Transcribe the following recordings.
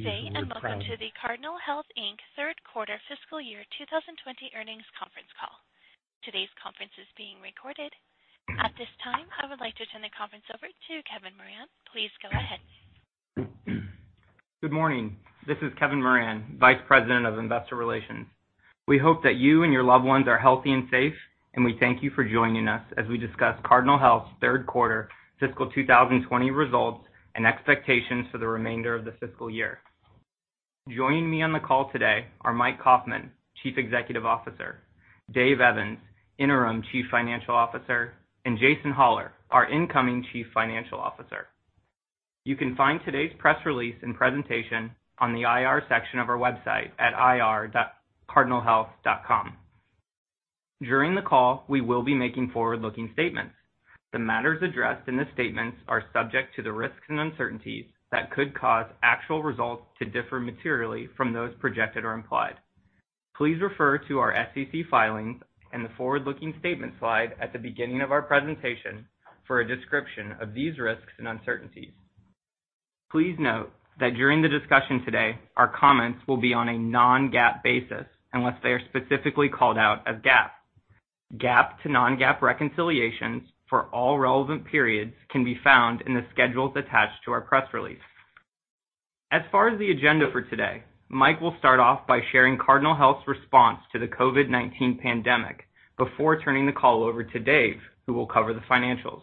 Good day, and welcome to the Cardinal Health, Inc third quarter fiscal year 2020 earnings conference call. Today's conference is being recorded. At this time, I would like to turn the conference over to Kevin Moran. Please go ahead. Good morning. This is Kevin Moran, Vice President of Investor Relations. We hope that you and your loved ones are healthy and safe, and we thank you for joining us as we discuss Cardinal Health's third quarter fiscal 2020 results and expectations for the remainder of the fiscal year. Joining me on the call today are Mike Kaufmann, Chief Executive Officer, Dave Evans, Interim Chief Financial Officer, and Jason Hollar, our Incoming Chief Financial Officer. You can find today's press release and presentation on the IR section of our website at ir.cardinalhealth.com. During the call, we will be making forward-looking statements. The matters addressed in the statements are subject to the risks and uncertainties that could cause actual results to differ materially from those projected or implied. Please refer to our SEC filings and the forward-looking statement slide at the beginning of our presentation for a description of these risks and uncertainties. Please note that during the discussion today, our comments will be on a non-GAAP basis unless they are specifically called out as GAAP. GAAP to non-GAAP reconciliations for all relevant periods can be found in the schedules attached to our press release. As far as the agenda for today, Mike will start off by sharing Cardinal Health's response to the COVID-19 pandemic before turning the call over to Dave, who will cover the financials.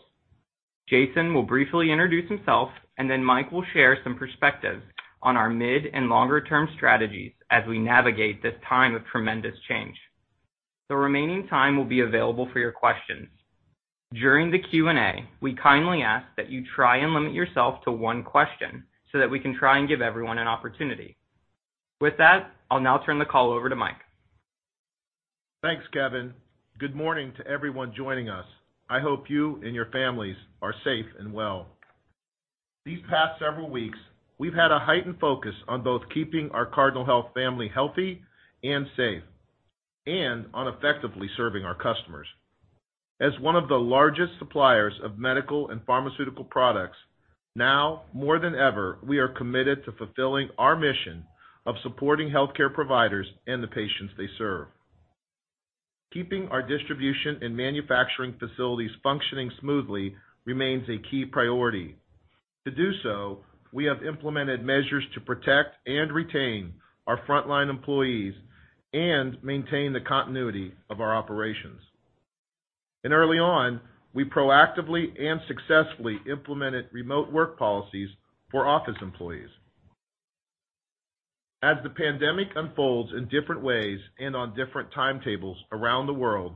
Jason will briefly introduce himself, and then Mike will share some perspectives on our mid and longer-term strategies as we navigate this time of tremendous change. The remaining time will be available for your questions. During the Q&A, we kindly ask that you try and limit yourself to one question so that we can try and give everyone an opportunity. With that, I'll now turn the call over to Mike. Thanks, Kevin. Good morning to everyone joining us. I hope you and your families are safe and well. These past several weeks, we've had a heightened focus on both keeping our Cardinal Health family healthy and safe, and on effectively serving our customers. As one of the largest suppliers of medical and pharmaceutical products, now more than ever, we are committed to fulfilling our mission of supporting healthcare providers and the patients they serve. Keeping our distribution and manufacturing facilities functioning smoothly remains a key priority. To do so, we have implemented measures to protect and retain our frontline employees and maintain the continuity of our operations. Early on, we proactively and successfully implemented remote work policies for office employees. As the pandemic unfolds in different ways and on different timetables around the world,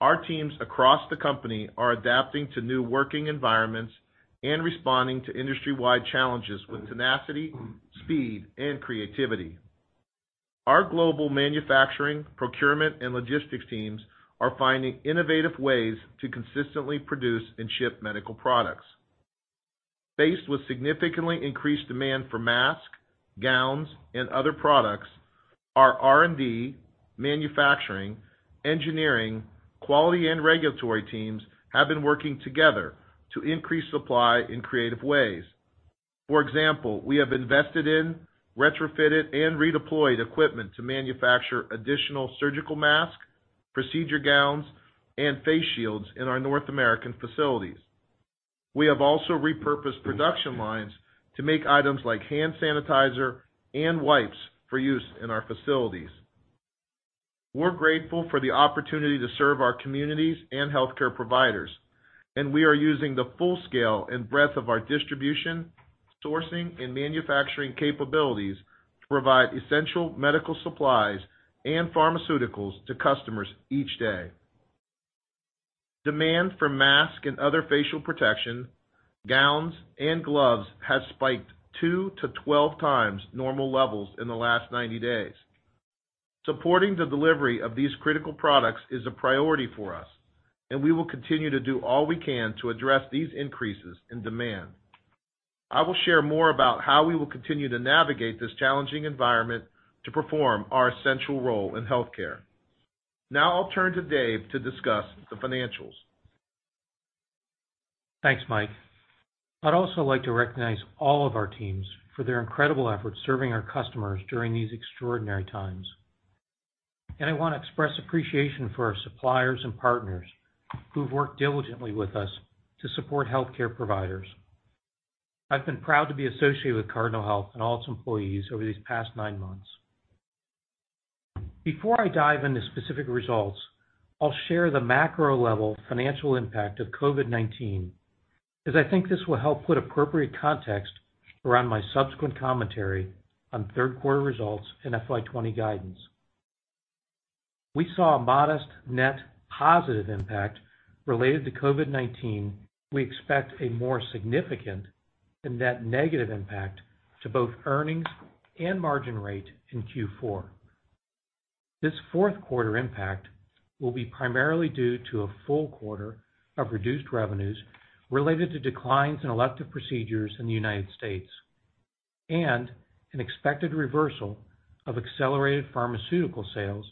our teams across the company are adapting to new working environments and responding to industry-wide challenges with tenacity, speed, and creativity. Our global manufacturing, procurement, and logistics teams are finding innovative ways to consistently produce and ship medical products. Faced with significantly increased demand for masks, gowns, and other products, our R&D, manufacturing, engineering, quality, and regulatory teams have been working together to increase supply in creative ways. For example, we have invested in, retrofitted, and redeployed equipment to manufacture additional surgical masks, procedure gowns, and face shields in our North American facilities. We have also repurposed production lines to make items like hand sanitizer and wipes for use in our facilities. We're grateful for the opportunity to serve our communities and healthcare providers, We are using the full scale and breadth of our distribution, sourcing, and manufacturing capabilities to provide essential medical supplies and pharmaceuticals to customers each day. Demand for masks and other facial protection, gowns, and gloves has spiked 2x-12x normal levels in the last 90 days. Supporting the delivery of these critical products is a priority for us, and we will continue to do all we can to address these increases in demand. I will share more about how we will continue to navigate this challenging environment to perform our essential role in healthcare. Now I'll turn to Dave to discuss the financials. Thanks, Mike. I'd also like to recognize all of our teams for their incredible efforts serving our customers during these extraordinary times. I want to express appreciation for our suppliers and partners who've worked diligently with us to support healthcare providers. I've been proud to be associated with Cardinal Health and all its employees over these past nine months. Before I dive into specific results, I'll share the macro-level financial impact of COVID-19, as I think this will help put appropriate context around my subsequent commentary on third quarter results and FY 2020 guidance. We saw a modest net positive impact related to COVID-19. We expect a more significant and net negative impact to both earnings and margin rate in Q4. This fourth quarter impact will be primarily due to a full quarter of reduced revenues related to declines in elective procedures in the United States, and an expected reversal of accelerated pharmaceutical sales,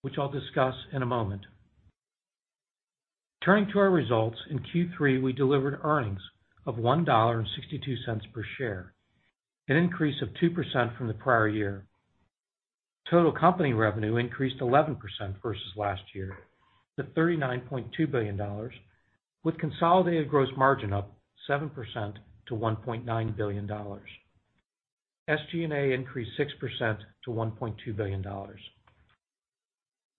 which I'll discuss in a moment. Turning to our results, in Q3, we delivered earnings of $1.62 per share, an increase of 2% from the prior year. Total company revenue increased 11% versus last year to $39.2 billion, with consolidated gross margin up 7% to $1.9 billion. SG&A increased 6% to $1.2 billion.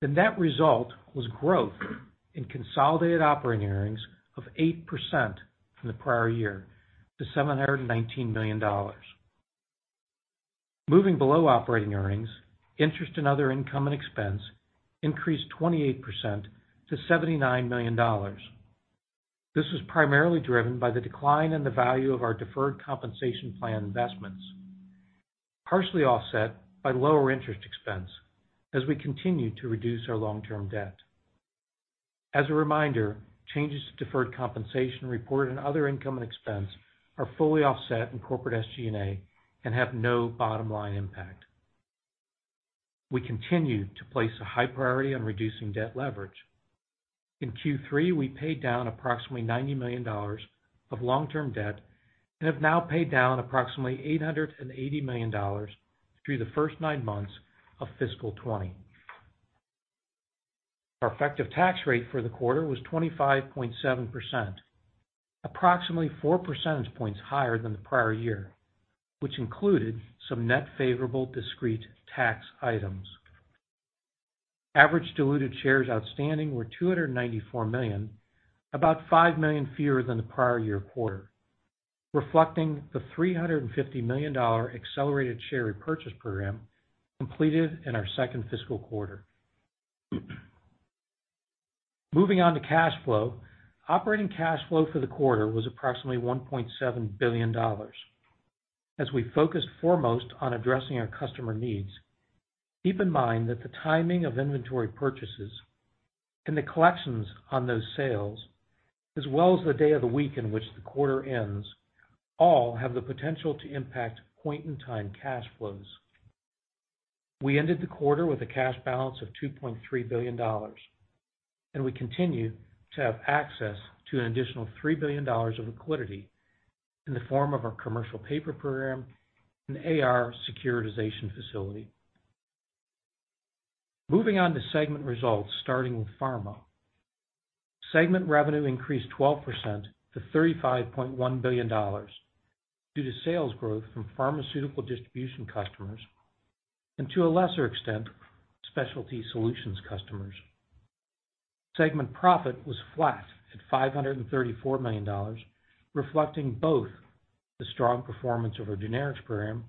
The net result was growth in consolidated operating earnings of 8% from the prior year to $719 million. Moving below operating earnings, interest and other income and expense increased 28% to $79 million. This was primarily driven by the decline in the value of our deferred compensation plan investments, partially offset by lower interest expense as we continue to reduce our long-term debt. As a reminder, changes to deferred compensation reported and other income and expense are fully offset in corporate SG&A and have no bottom-line impact. We continue to place a high priority on reducing debt leverage. In Q3, we paid down approximately $90 million of long-term debt and have now paid down approximately $880 million through the first nine months of fiscal 2020. Our effective tax rate for the quarter was 25.7%, approximately 4 percentage points higher than the prior year, which included some net favorable discrete tax items. Average diluted shares outstanding were 294 million, about 5 million fewer than the prior-year quarter, reflecting the $350 million accelerated share repurchase program completed in our second fiscal quarter. Moving on to cash flow, operating cash flow for the quarter was approximately $1.7 billion. As we focus foremost on addressing our customer needs, keep in mind that the timing of inventory purchases and the collections on those sales, as well as the day of the week in which the quarter ends, all have the potential to impact point-in-time cash flows. We ended the quarter with a cash balance of $2.3 billion, and we continue to have access to an additional $3 billion of liquidity in the form of our commercial paper program and AR securitization facility. Moving on to segment results, starting with pharma. Segment revenue increased 12% to $35.1 billion due to sales growth from pharmaceutical distribution customers and, to a lesser extent, specialty solutions customers. Segment profit was flat at $534 million, reflecting both the strong performance of our generics program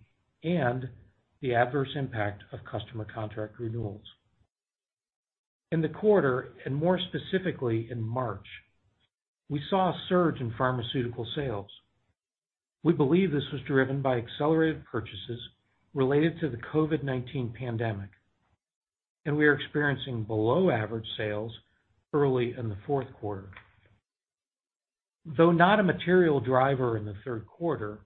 and the adverse impact of customer contract renewals. In the quarter, and more specifically in March, we saw a surge in pharmaceutical sales. We believe this was driven by accelerated purchases related to the COVID-19 pandemic. We are experiencing below-average sales early in the fourth quarter. Though not a material driver in the third quarter,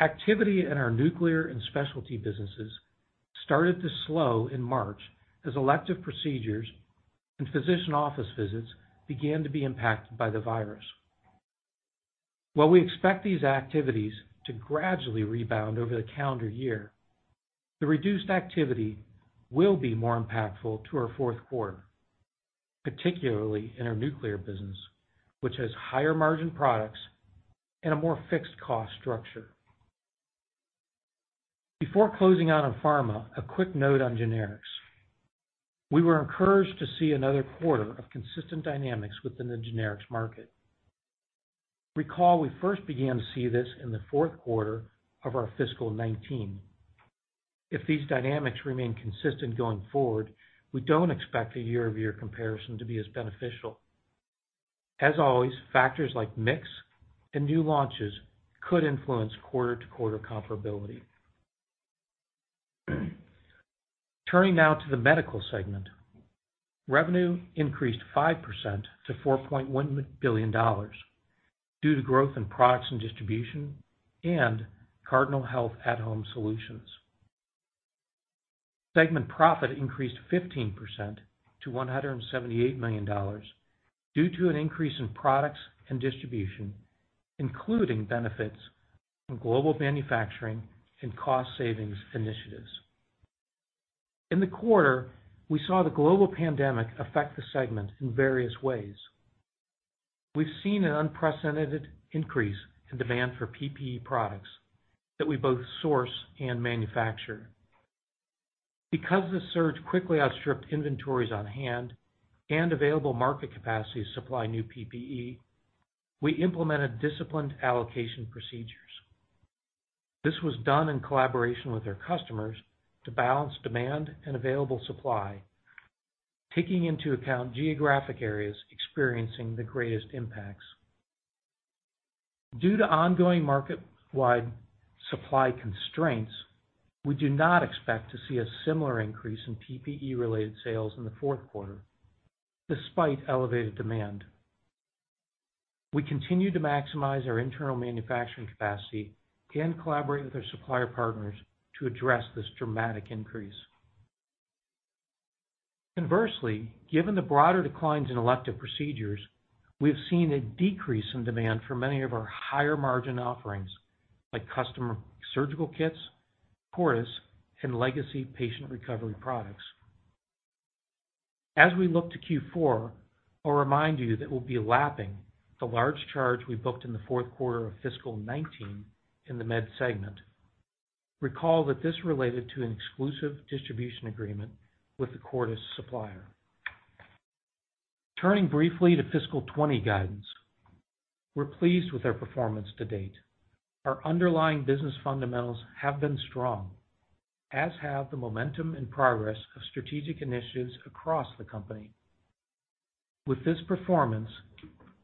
activity in our nuclear and specialty businesses started to slow in March as elective procedures and physician office visits began to be impacted by the virus. While we expect these activities to gradually rebound over the calendar year, the reduced activity will be more impactful to our fourth quarter, particularly in our nuclear business, which has higher-margin products and a more fixed-cost structure. Before closing out on pharma, a quick note on generics. We were encouraged to see another quarter of consistent dynamics within the generics market. Recall, we first began to see this in the fourth quarter of our fiscal 2019. If these dynamics remain consistent going forward, we don't expect the year-over-year comparison to be as beneficial. As always, factors like mix and new launches could influence quarter-to-quarter comparability. Turning now to the medical segment. Revenue increased 5% to $4.1 billion due to growth in products and distribution and Cardinal Health at-Home solutions. Segment profit increased 15% to $178 million due to an increase in products and distribution, including benefits from global manufacturing and cost savings initiatives. In the quarter, we saw the global pandemic affect the segment in various ways. We've seen an unprecedented increase in demand for PPE products that we both source and manufacture. Because the surge quickly outstripped inventories on hand and available market capacity to supply new PPE, we implemented disciplined allocation procedures. This was done in collaboration with our customers to balance demand and available supply, taking into account geographic areas experiencing the greatest impacts. Due to ongoing market-wide supply constraints, we do not expect to see a similar increase in PPE-related sales in the fourth quarter despite elevated demand. We continue to maximize our internal manufacturing capacity and collaborate with our supplier partners to address this dramatic increase. Conversely, given the broader declines in elective procedures, we have seen a decrease in demand for many of our higher-margin offerings, like custom surgical kits, Cordis, and legacy Patient Recovery products. As we look to Q4, I'll remind you that we'll be lapping the large charge we booked in the fourth quarter of fiscal 2019 in the med segment. Recall that this related to an exclusive distribution agreement with the Cordis supplier. Turning briefly to fiscal 2020 guidance, we're pleased with our performance to date. Our underlying business fundamentals have been strong, as have the momentum and progress of strategic initiatives across the company. With this performance,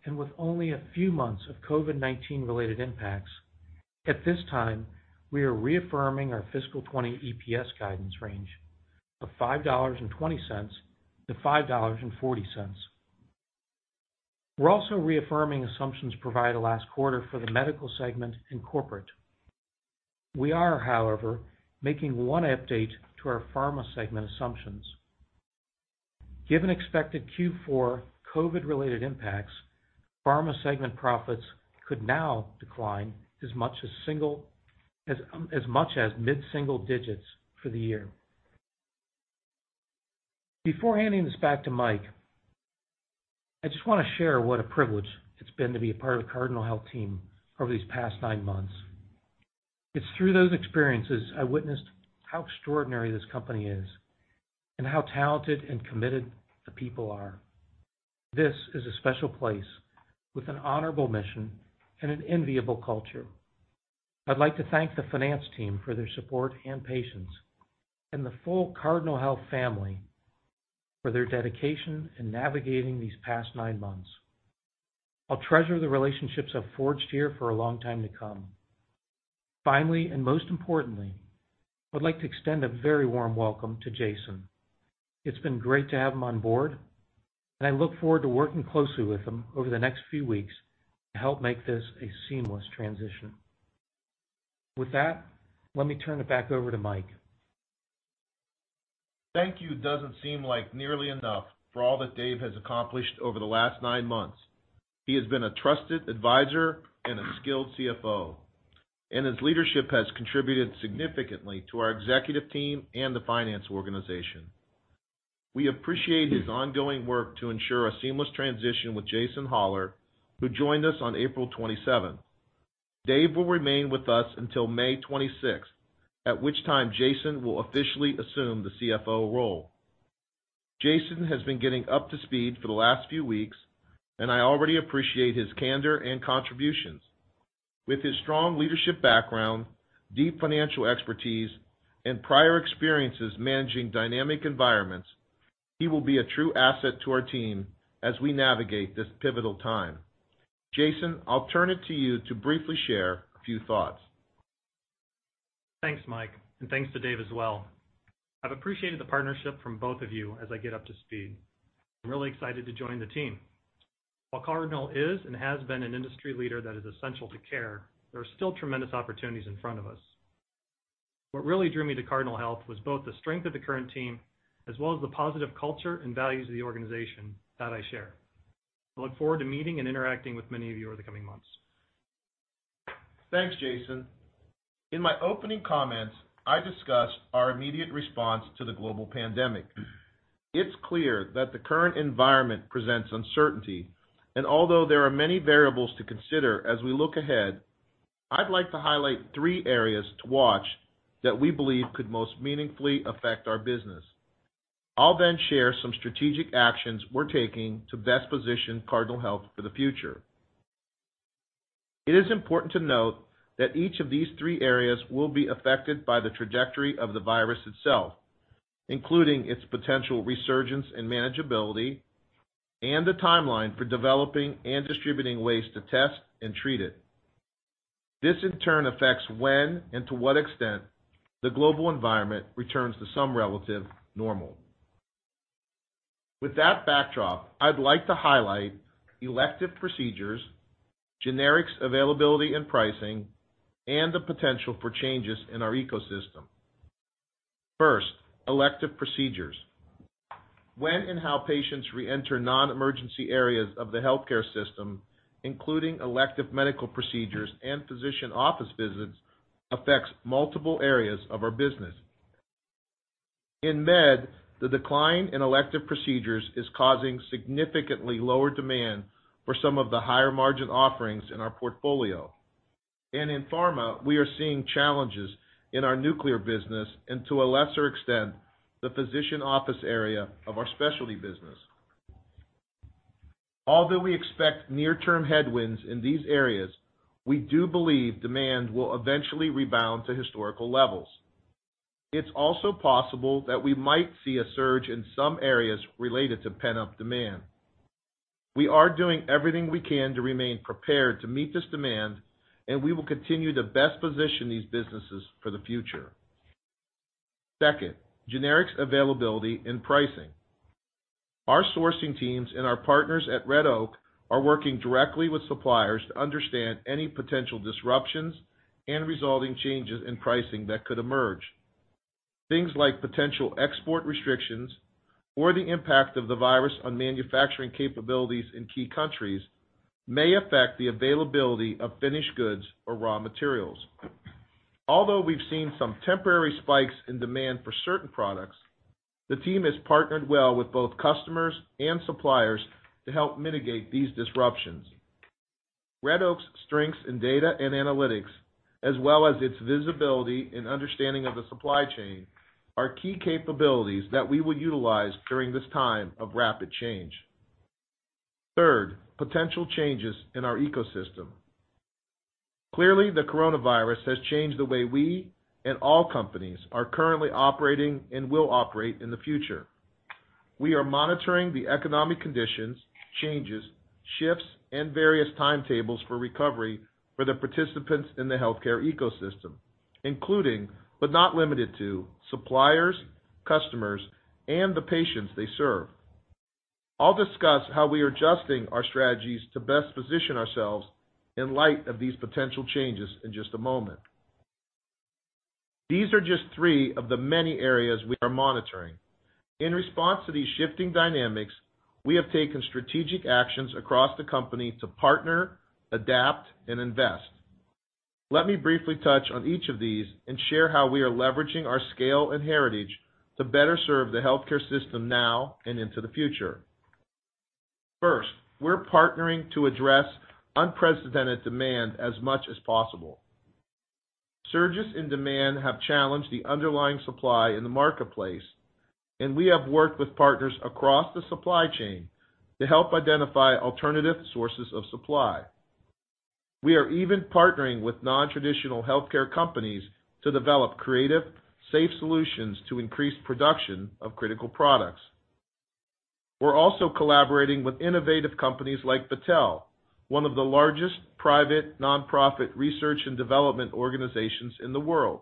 and with only a few months of COVID-19-related impacts, at this time, we are reaffirming our fiscal 2020 EPS guidance range of $5.20-$5.40. We're also reaffirming assumptions provided last quarter for the Medical segment and corporate. We are, however, making one update to our pharma segment assumptions. Given expected Q4 COVID-related impacts, pharma segment profits could now decline as much as mid-single digits for the year. Before handing this back to Mike, I just want to share what a privilege it's been to be a part of the Cardinal Health team over these past nine months. It's through those experiences I witnessed how extraordinary this company is and how talented and committed the people are. This is a special place with an honorable mission and an enviable culture. I'd like to thank the finance team for their support and patience, and the full Cardinal Health family for their dedication in navigating these past nine months. I'll treasure the relationships I've forged here for a long time to come. Finally, and most importantly, I would like to extend a very warm welcome to Jason. It's been great to have him on board, and I look forward to working closely with him over the next few weeks to help make this a seamless transition. With that, let me turn it back over to Mike. Thank you doesn't seem like nearly enough for all that Dave has accomplished over the last nine months. He has been a trusted advisor and a skilled CFO, and his leadership has contributed significantly to our executive team and the finance organization. We appreciate his ongoing work to ensure a seamless transition with Jason Hollar, who joined us on April 27th. Dave will remain with us until May 26th, at which time Jason will officially assume the CFO role. Jason has been getting up to speed for the last few weeks, and I already appreciate his candor and contributions. With his strong leadership background, deep financial expertise, and prior experiences managing dynamic environments, he will be a true asset to our team as we navigate this pivotal time. Jason, I'll turn it to you to briefly share a few thoughts. Thanks, Mike, and thanks to Dave as well. I've appreciated the partnership from both of you as I get up to speed. I'm really excited to join the team. While Cardinal is and has been an industry leader that is essential to care, there are still tremendous opportunities in front of us. What really drew me to Cardinal Health was both the strength of the current team as well as the positive culture and values of the organization that I share. I look forward to meeting and interacting with many of you over the coming months. Thanks, Jason. In my opening comments, I discussed our immediate response to the global pandemic. Although there are many variables to consider as we look ahead, I'd like to highlight three areas to watch that we believe could most meaningfully affect our business. I'll share some strategic actions we're taking to best position Cardinal Health for the future. It is important to note that each of these three areas will be affected by the trajectory of the virus itself, including its potential resurgence in manageability and the timeline for developing and distributing ways to test and treat it. This, in turn, affects when and to what extent the global environment returns to some relative normal. With that backdrop, I'd like to highlight elective procedures, generics availability and pricing, and the potential for changes in our ecosystem. First, elective procedures. When and how patients reenter non-emergency areas of the healthcare system, including elective medical procedures and physician office visits, affects multiple areas of our business. In Med, the decline in elective procedures is causing significantly lower demand for some of the higher-margin offerings in our portfolio. In Pharma, we are seeing challenges in our nuclear business and to a lesser extent, the physician office area of our specialty business. Although we expect near-term headwinds in these areas, we do believe demand will eventually rebound to historical levels. It's also possible that we might see a surge in some areas related to pent-up demand. We are doing everything we can to remain prepared to meet this demand, and we will continue to best position these businesses for the future. Second, generics availability and pricing. Our sourcing teams and our partners at Red Oak are working directly with suppliers to understand any potential disruptions and resulting changes in pricing that could emerge. Things like potential export restrictions or the impact of the virus on manufacturing capabilities in key countries may affect the availability of finished goods or raw materials. Although we've seen some temporary spikes in demand for certain products, the team has partnered well with both customers and suppliers to help mitigate these disruptions. Red Oak's strengths in data and analytics, as well as its visibility and understanding of the supply chain, are key capabilities that we will utilize during this time of rapid change. Third, potential changes in our ecosystem. Clearly, the coronavirus has changed the way we and all companies are currently operating and will operate in the future. We are monitoring the economic conditions, changes, shifts, and various timetables for recovery for the participants in the healthcare ecosystem, including, but not limited to, suppliers, customers, and the patients they serve. I'll discuss how we are adjusting our strategies to best position ourselves in light of these potential changes in just a moment. These are just three of the many areas we are monitoring. In response to these shifting dynamics, we have taken strategic actions across the company to partner, adapt, and invest. Let me briefly touch on each of these and share how we are leveraging our scale and heritage to better serve the healthcare system now and into the future. First, we're partnering to address unprecedented demand as much as possible. Surges in demand have challenged the underlying supply in the marketplace, and we have worked with partners across the supply chain to help identify alternative sources of supply. We are even partnering with non-traditional healthcare companies to develop creative, safe solutions to increase production of critical products. We're also collaborating with innovative companies like Battelle, one of the largest private nonprofit research and development organizations in the world.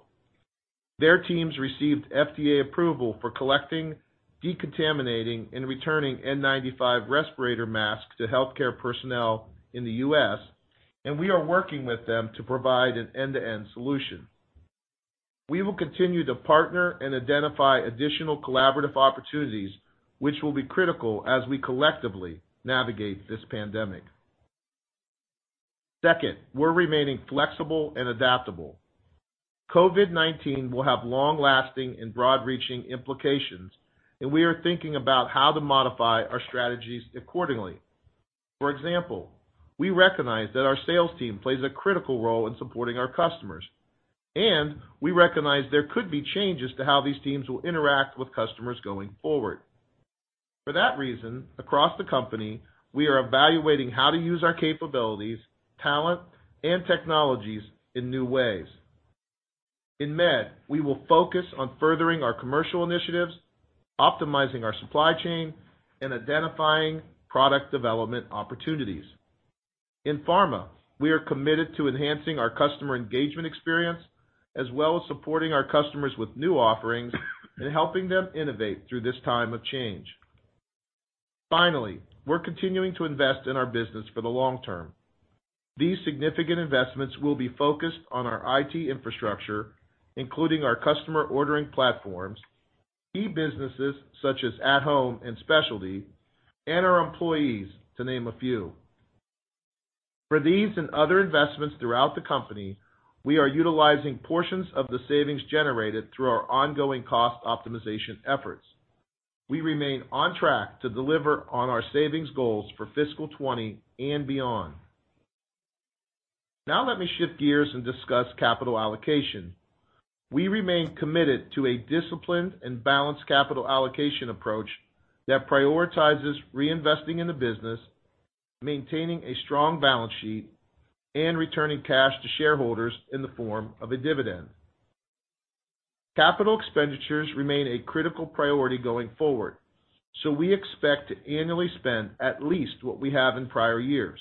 Their teams received FDA approval for collecting, decontaminating, and returning N95 respirator masks to healthcare personnel in the U.S., and we are working with them to provide an end-to-end solution. We will continue to partner and identify additional collaborative opportunities, which will be critical as we collectively navigate this pandemic. Second, we're remaining flexible and adaptable. COVID-19 will have long-lasting and broad-reaching implications, and we are thinking about how to modify our strategies accordingly. For example, we recognize that our sales team plays a critical role in supporting our customers, and we recognize there could be changes to how these teams will interact with customers going forward. For that reason, across the company, we are evaluating how to use our capabilities, talent, and technologies in new ways. In Med, we will focus on furthering our commercial initiatives, optimizing our supply chain, and identifying product development opportunities. In Pharma, we are committed to enhancing our customer engagement experience, as well as supporting our customers with new offerings and helping them innovate through this time of change. Finally, we're continuing to invest in our business for the long term. These significant investments will be focused on our IT infrastructure, including our customer ordering platforms, key businesses such as at-Home and Specialty, and our employees, to name a few. For these and other investments throughout the company, we are utilizing portions of the savings generated through our ongoing cost optimization efforts. We remain on track to deliver on our savings goals for fiscal 2020 and beyond. Now let me shift gears and discuss capital allocation. We remain committed to a disciplined and balanced capital allocation approach that prioritizes reinvesting in the business, maintaining a strong balance sheet, and returning cash to shareholders in the form of a dividend. Capital expenditures remain a critical priority going forward, so we expect to annually spend at least what we have in prior years.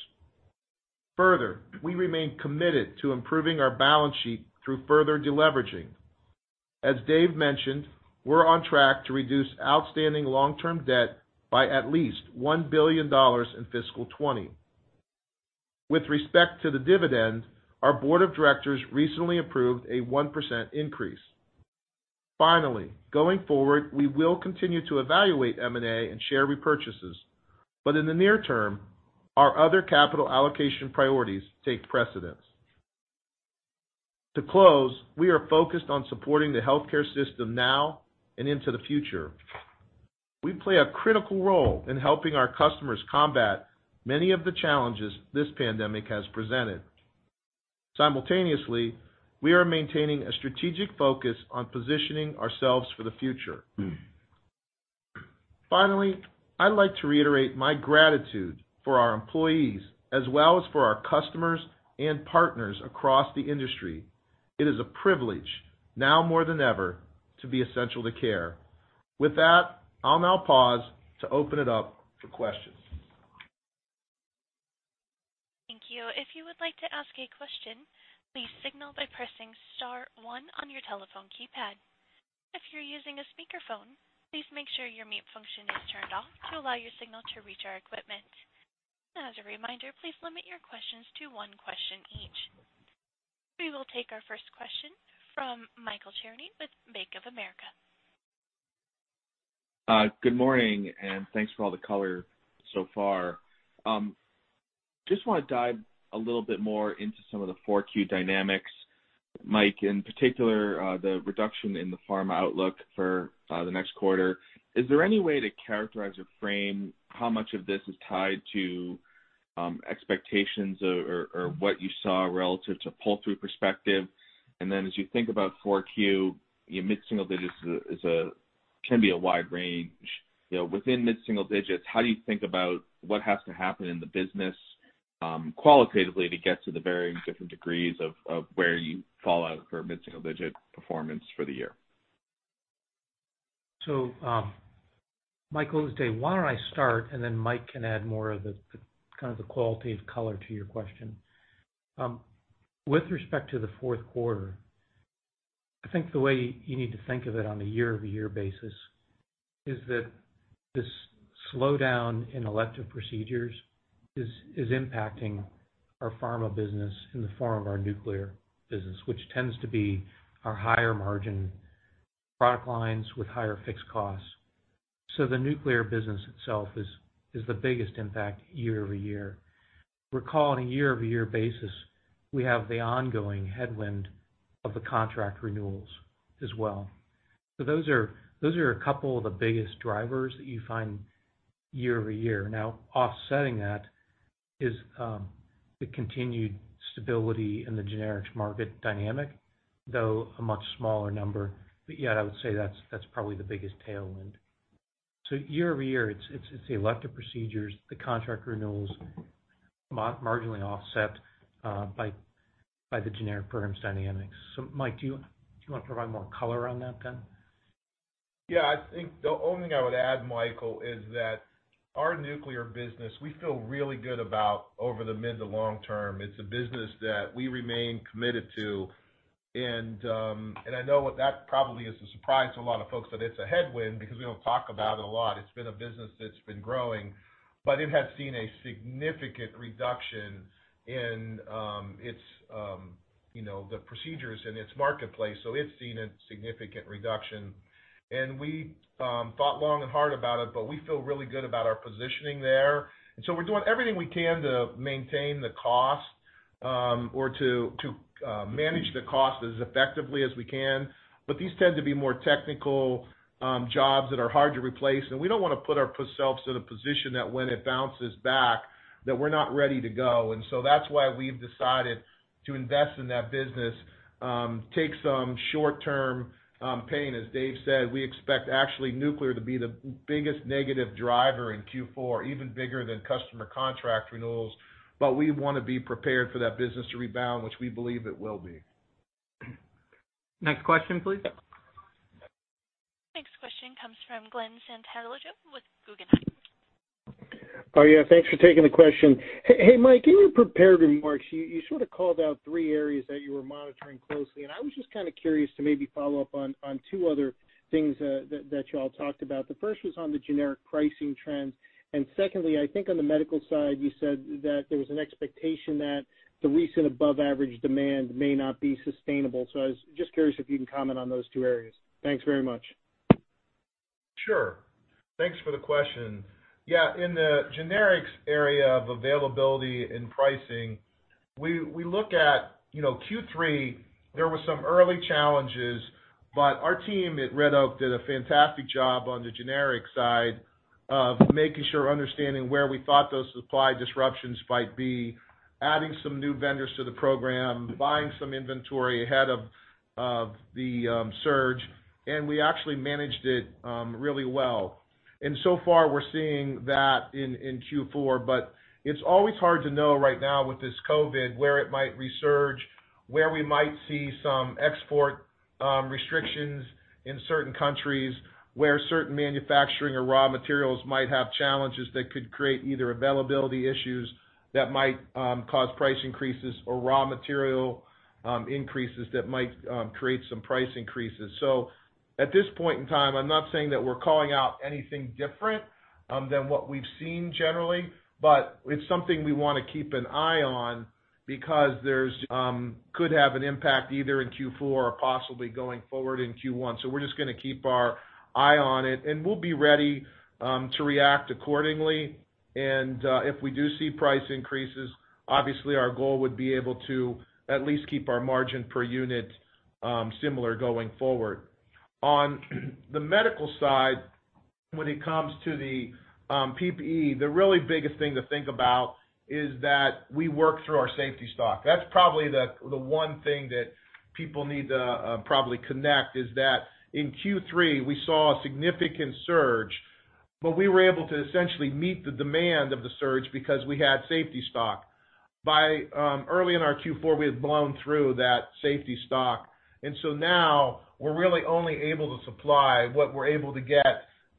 Further, we remain committed to improving our balance sheet through further deleveraging. As Dave mentioned, we're on track to reduce outstanding long-term debt by at least $1 billion in fiscal 2020. With respect to the dividend, our board of directors recently approved a 1% increase. Going forward, we will continue to evaluate M&A and share repurchases, but in the near term, our other capital allocation priorities take precedence. To close, we are focused on supporting the healthcare system now and into the future. We play a critical role in helping our customers combat many of the challenges this pandemic has presented. Simultaneously, we are maintaining a strategic focus on positioning ourselves for the future. I'd like to reiterate my gratitude for our employees as well as for our customers and partners across the industry. It is a privilege, now more than ever, to be essential to care. With that, I'll now pause to open it up for questions. Thank you. If you would like to ask a question, please signal by pressing star one on your telephone keypad. If you're using a speakerphone, please make sure your mute function is turned off to allow your signal to reach our equipment. As a reminder, please limit your questions to one question each. We will take our first question from Michael Cherny with Bank of America. Good morning, thanks for all the color so far. Just want to dive a little bit more into some of the 4Q dynamics. Mike, in particular, the reduction in the pharma outlook for the next quarter. Is there any way to characterize or frame how much of this is tied to expectations or what you saw relative to pull-through perspective? Then as you think about 4Q, your mid-single digits can be a wide range. Within mid-single digits, how do you think about what has to happen in the business qualitatively to get to the varying different degrees of where you fall out for mid-single-digit performance for the year? Michael, why don't I start and then Mike can add more of the kind of the qualitative color to your question? With respect to the fourth quarter, I think the way you need to think of it on a year-over-year basis is that this slowdown in elective procedures is impacting our pharma business in the form of our nuclear business, which tends to be our higher margin product lines with higher fixed costs. The nuclear business itself is the biggest impact year-over-year. Recall on a year-over-year basis, we have the ongoing headwind of the contract renewals as well. Those are a couple of the biggest drivers that you find year-over-year. Now, offsetting that is the continued stability in the generics market dynamic, though a much smaller number. Yet I would say that's probably the biggest tailwind. Year-over-year, it's the elective procedures, the contract renewals, marginally offset by the generic programs dynamics. Mike, do you want to provide more color on that then? I think the only thing I would add, Michael, is that our nuclear business, we feel really good about over the mid to long term. It's a business that we remain committed to, and I know that probably is a surprise to a lot of folks that it's a headwind because we don't talk about it a lot. It's been a business that's been growing, but it has seen a significant reduction in the procedures in its marketplace. It's seen a significant reduction, and we thought long and hard about it, but we feel really good about our positioning there. We're doing everything we can to maintain the cost or to manage the cost as effectively as we can. These tend to be more technical jobs that are hard to replace, and we don't want to put ourselves in a position that when it bounces back, that we're not ready to go. That's why we've decided to invest in that business, take some short-term pain. As Dave said, we expect actually nuclear to be the biggest negative driver in Q4, even bigger than customer contract renewals. We want to be prepared for that business to rebound, which we believe it will be. Next question, please. Next question comes from Glen Santangelo with Guggenheim. Oh yeah, thanks for taking the question. Hey, Mike, in your prepared remarks, you sort of called out three areas that you were monitoring closely. I was just kind of curious to maybe follow up on two other things that y'all talked about. The first was on the generic pricing trends. Secondly, I think on the medical side, you said that there was an expectation that the recent above-average demand may not be sustainable. I was just curious if you can comment on those two areas. Thanks very much. Sure. Thanks for the question. Yeah. In the generics area of availability and pricing, we look at Q3, there were some early challenges, but our team at Red Oak did a fantastic job on the generics side of making sure understanding where we thought those supply disruptions might be, adding some new vendors to the program, buying some inventory ahead of the surge, and we actually managed it really well. So far, we're seeing that in Q4, but it's always hard to know right now with this COVID, where it might resurge, where we might see some export restrictions in certain countries, where certain manufacturing or raw materials might have challenges that could create either availability issues that might cause price increases or raw material increases that might create some price increases. At this point in time, I'm not saying that we're calling out anything different than what we've seen generally, but it's something we want to keep an eye on because there could have an impact either in Q4 or possibly going forward in Q1. We're just going to keep our eye on it, and we'll be ready to react accordingly. If we do see price increases, obviously our goal would be able to at least keep our margin per unit similar going forward. On the medical side, when it comes to the PPE, the really biggest thing to think about is that we work through our safety stock. That's probably the one thing that people need to probably connect, is that in Q3, we saw a significant surge, but we were able to essentially meet the demand of the surge because we had safety stock. By early in our Q4, we had blown through that safety stock. Now we're really only able to supply what we're able to get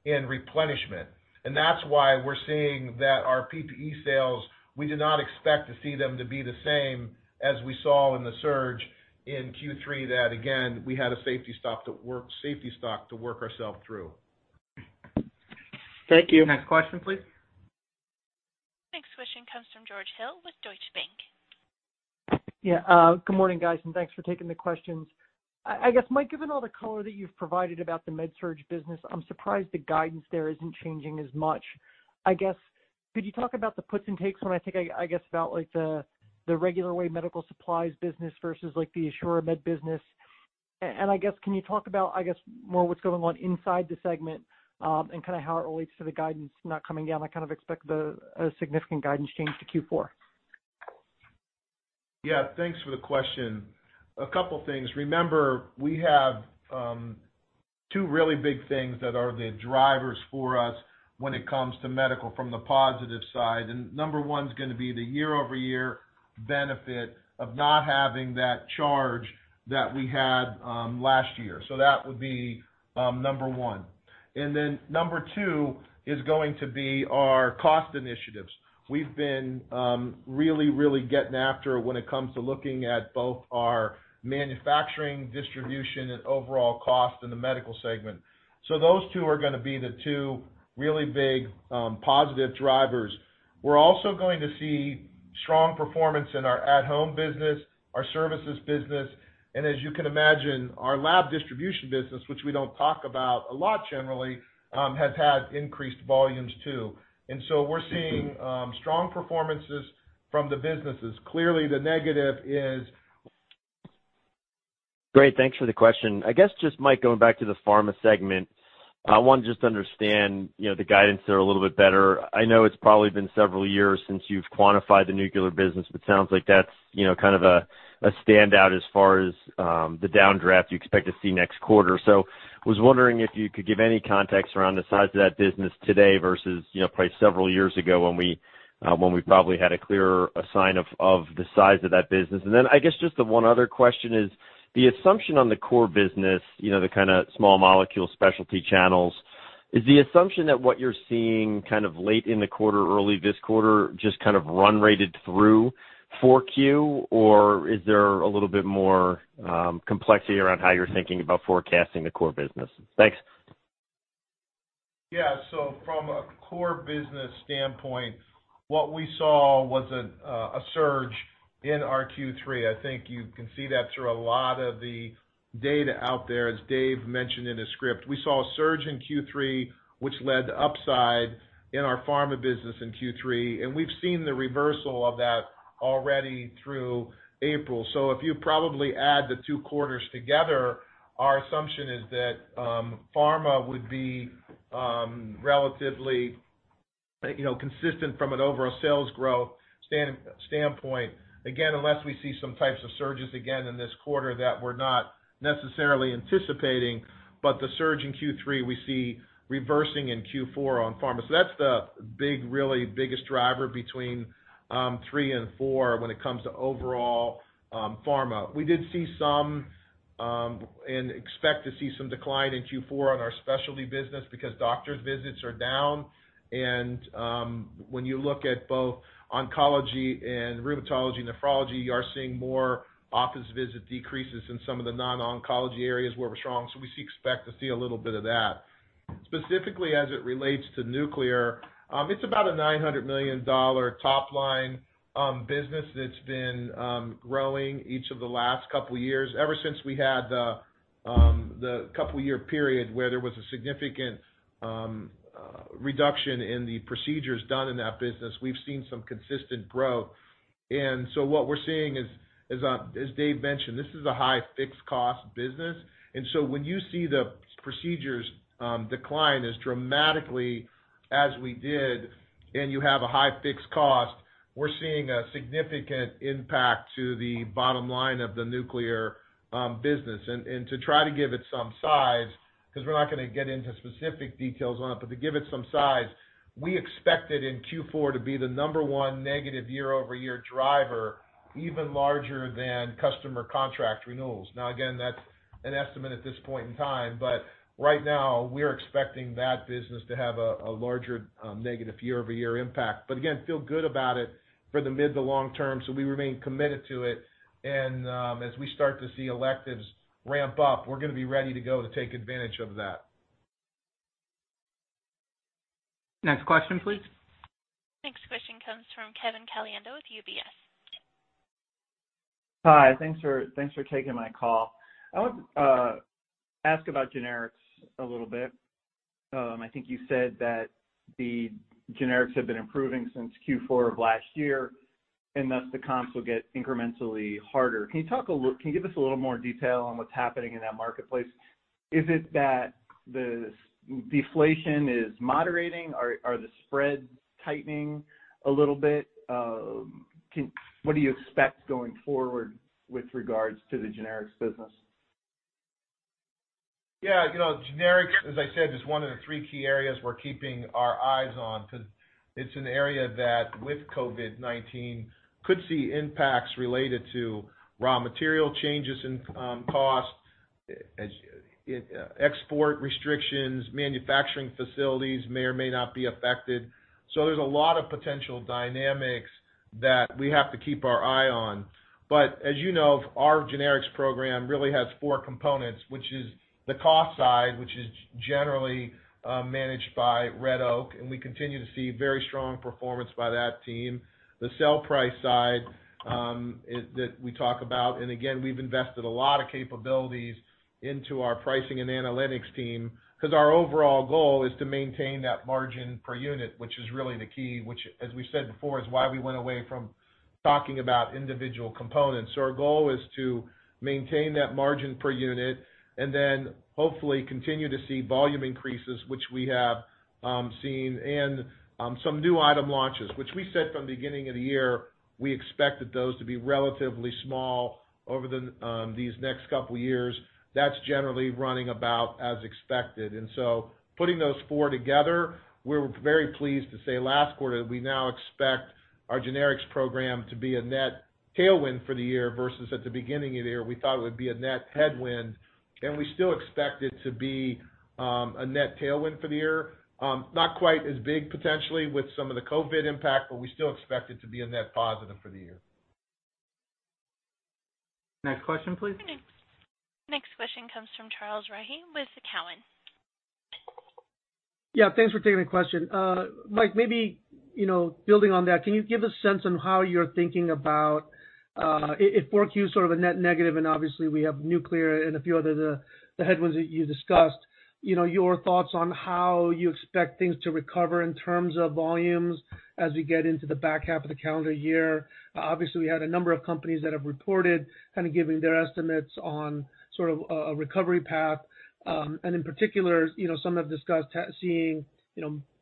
in replenishment. That's why we're seeing that our PPE sales, we did not expect to see them to be the same as we saw in the surge in Q3, that again, we had a safety stock to work ourselves through. Thank you. Next question, please. Next question comes from George Hill with Deutsche Bank. Yeah. Good morning, guys, and thanks for taking the questions. I guess, Mike, given all the color that you've provided about the med-surg business, I'm surprised the guidance there isn't changing as much. I guess, could you talk about the puts and takes when I think, I guess about the regular way medical supplies business versus the AssuraMed business? I guess, can you talk about, I guess, more what's going on inside the segment, and how it relates to the guidance not coming down? I kind of expect a significant guidance change to Q4. Yeah. Thanks for the question. A couple things. Remember, we have two really big things that are the drivers for us when it comes to Medical from the positive side. Number one's going to be the year-over-year benefit of not having that charge that we had last year. That would be number one. Number two is going to be our cost initiatives. We've been really getting after it when it comes to looking at both our manufacturing, distribution, and overall cost in the Medical segment. Those two are going to be the two really big positive drivers. We're also going to see strong performance in our Cardinal Health at-Home business, our services business, and as you can imagine, our lab distribution business, which we don't talk about a lot generally, has had increased volumes, too. We're seeing strong performances from the businesses. Clearly, the negative is- Great. Thanks for the question. I guess just, Mike, going back to the pharma segment, I want to just understand the guidance there a little bit better. I know it's probably been several years since you've quantified the nuclear business, but sounds like that's kind of a standout as far as the downdraft you expect to see next quarter. Was wondering if you could give any context around the size of that business today versus probably several years ago when we probably had a clearer sign of the size of that business. I guess just the one other question is, the assumption on the core business, the kind of small molecule specialty channels, is the assumption that what you're seeing kind of late in the quarter, early this quarter, just kind of run rated through 4Q, or is there a little bit more complexity around how you're thinking about forecasting the core business? Thanks. Yeah. From a core business standpoint, what we saw was a surge in our Q3. I think you can see that through a lot of the data out there, as Dave mentioned in his script. We saw a surge in Q3, which led to upside in our pharma business in Q3, and we've seen the reversal of that already through April. If you probably add the two quarters together, our assumption is that pharma would be relatively consistent from an overall sales growth standpoint. Again, unless we see some types of surges again in this quarter that we're not necessarily anticipating, the surge in Q3, we see reversing in Q4 on pharma. That's the really biggest driver between three and four when it comes to overall pharma. We did see some, and expect to see some decline in Q4 on our specialty business because doctors visits are down. When you look at both oncology and rheumatology, nephrology, you are seeing more office visit decreases in some of the non-oncology areas where we're strong. We expect to see a little bit of that. Specifically, as it relates to nuclear, it's about a $900 million top-line business that's been growing each of the last couple years. Ever since we had the couple year period where there was a significant reduction in the procedures done in that business, we've seen some consistent growth. What we're seeing is, as Dave mentioned, this is a high fixed cost business, and so when you see the procedures decline as dramatically as we did, and you have a high fixed cost, we're seeing a significant impact to the bottom line of the nuclear business. To try to give it some size, because we're not going to get into specific details on it, but to give it some size, we expect it in Q4 to be the number one negative year-over-year driver, even larger than customer contract renewals. Again, that's an estimate at this point in time, but right now, we're expecting that business to have a larger negative year-over-year impact. Again, feel good about it for the mid to long term, so we remain committed to it. As we start to see electives ramp up, we're going to be ready to go to take advantage of that. Next question, please. Next question comes from Kevin Caliendo with UBS. Hi. Thanks for taking my call. I want to ask about generics a little bit. I think you said that the generics have been improving since Q4 of last year, thus the comps will get incrementally harder. Can you give us a little more detail on what's happening in that marketplace? Is it that the deflation is moderating? Are the spreads tightening a little bit? What do you expect going forward with regards to the generics business? Yeah. Generics, as I said, is one of the three key areas we're keeping our eyes on, because it's an area that, with COVID-19, could see impacts related to raw material changes in cost, export restrictions, manufacturing facilities may or may not be affected. There's a lot of potential dynamics that we have to keep our eye on. As you know, our generics program really has four components, which is the cost side, which is generally managed by Red Oak, and we continue to see very strong performance by that team. The sell price side that we talk about, and again, we've invested a lot of capabilities into our pricing and analytics team, because our overall goal is to maintain that margin per unit, which is really the key, which as we said before, is why we went away from talking about individual components. Our goal is to maintain that margin per unit and then hopefully continue to see volume increases, which we have seen, and some new item launches, which we said from the beginning of the year, we expected those to be relatively small over these next couple years. That's generally running about as expected. Putting those four together, we're very pleased to say last quarter that we now expect our generics program to be a net tailwind for the year versus at the beginning of the year, we thought it would be a net headwind, and we still expect it to be a net tailwind for the year, not quite as big potentially with some of the COVID impact, but we still expect it to be a net positive for the year. Next question, please. The next question comes from Charles Rhyee with Cowen. Yeah, thanks for taking the question. Mike, maybe building on that, can you give a sense on how you're thinking about, if 4Q is sort of a net negative, and obviously we have nuclear and a few other of the headwinds that you discussed, your thoughts on how you expect things to recover in terms of volumes as we get into the back half of the calendar year? We had a number of companies that have reported, giving their estimates on a recovery path. In particular, some have discussed seeing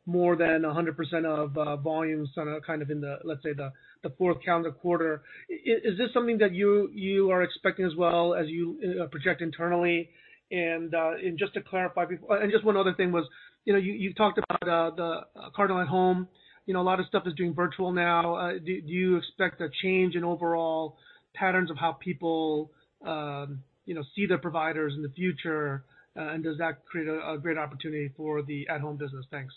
more than 100% of volumes in the, let's say, the fourth calendar quarter. Is this something that you are expecting as well as you project internally? Just to clarify, and just one other thing was, you talked about the Cardinal Home. A lot of stuff is doing virtual now. Do you expect a change in overall patterns of how people see their providers in the future? Does that create a great opportunity for the at-Home business? Thanks.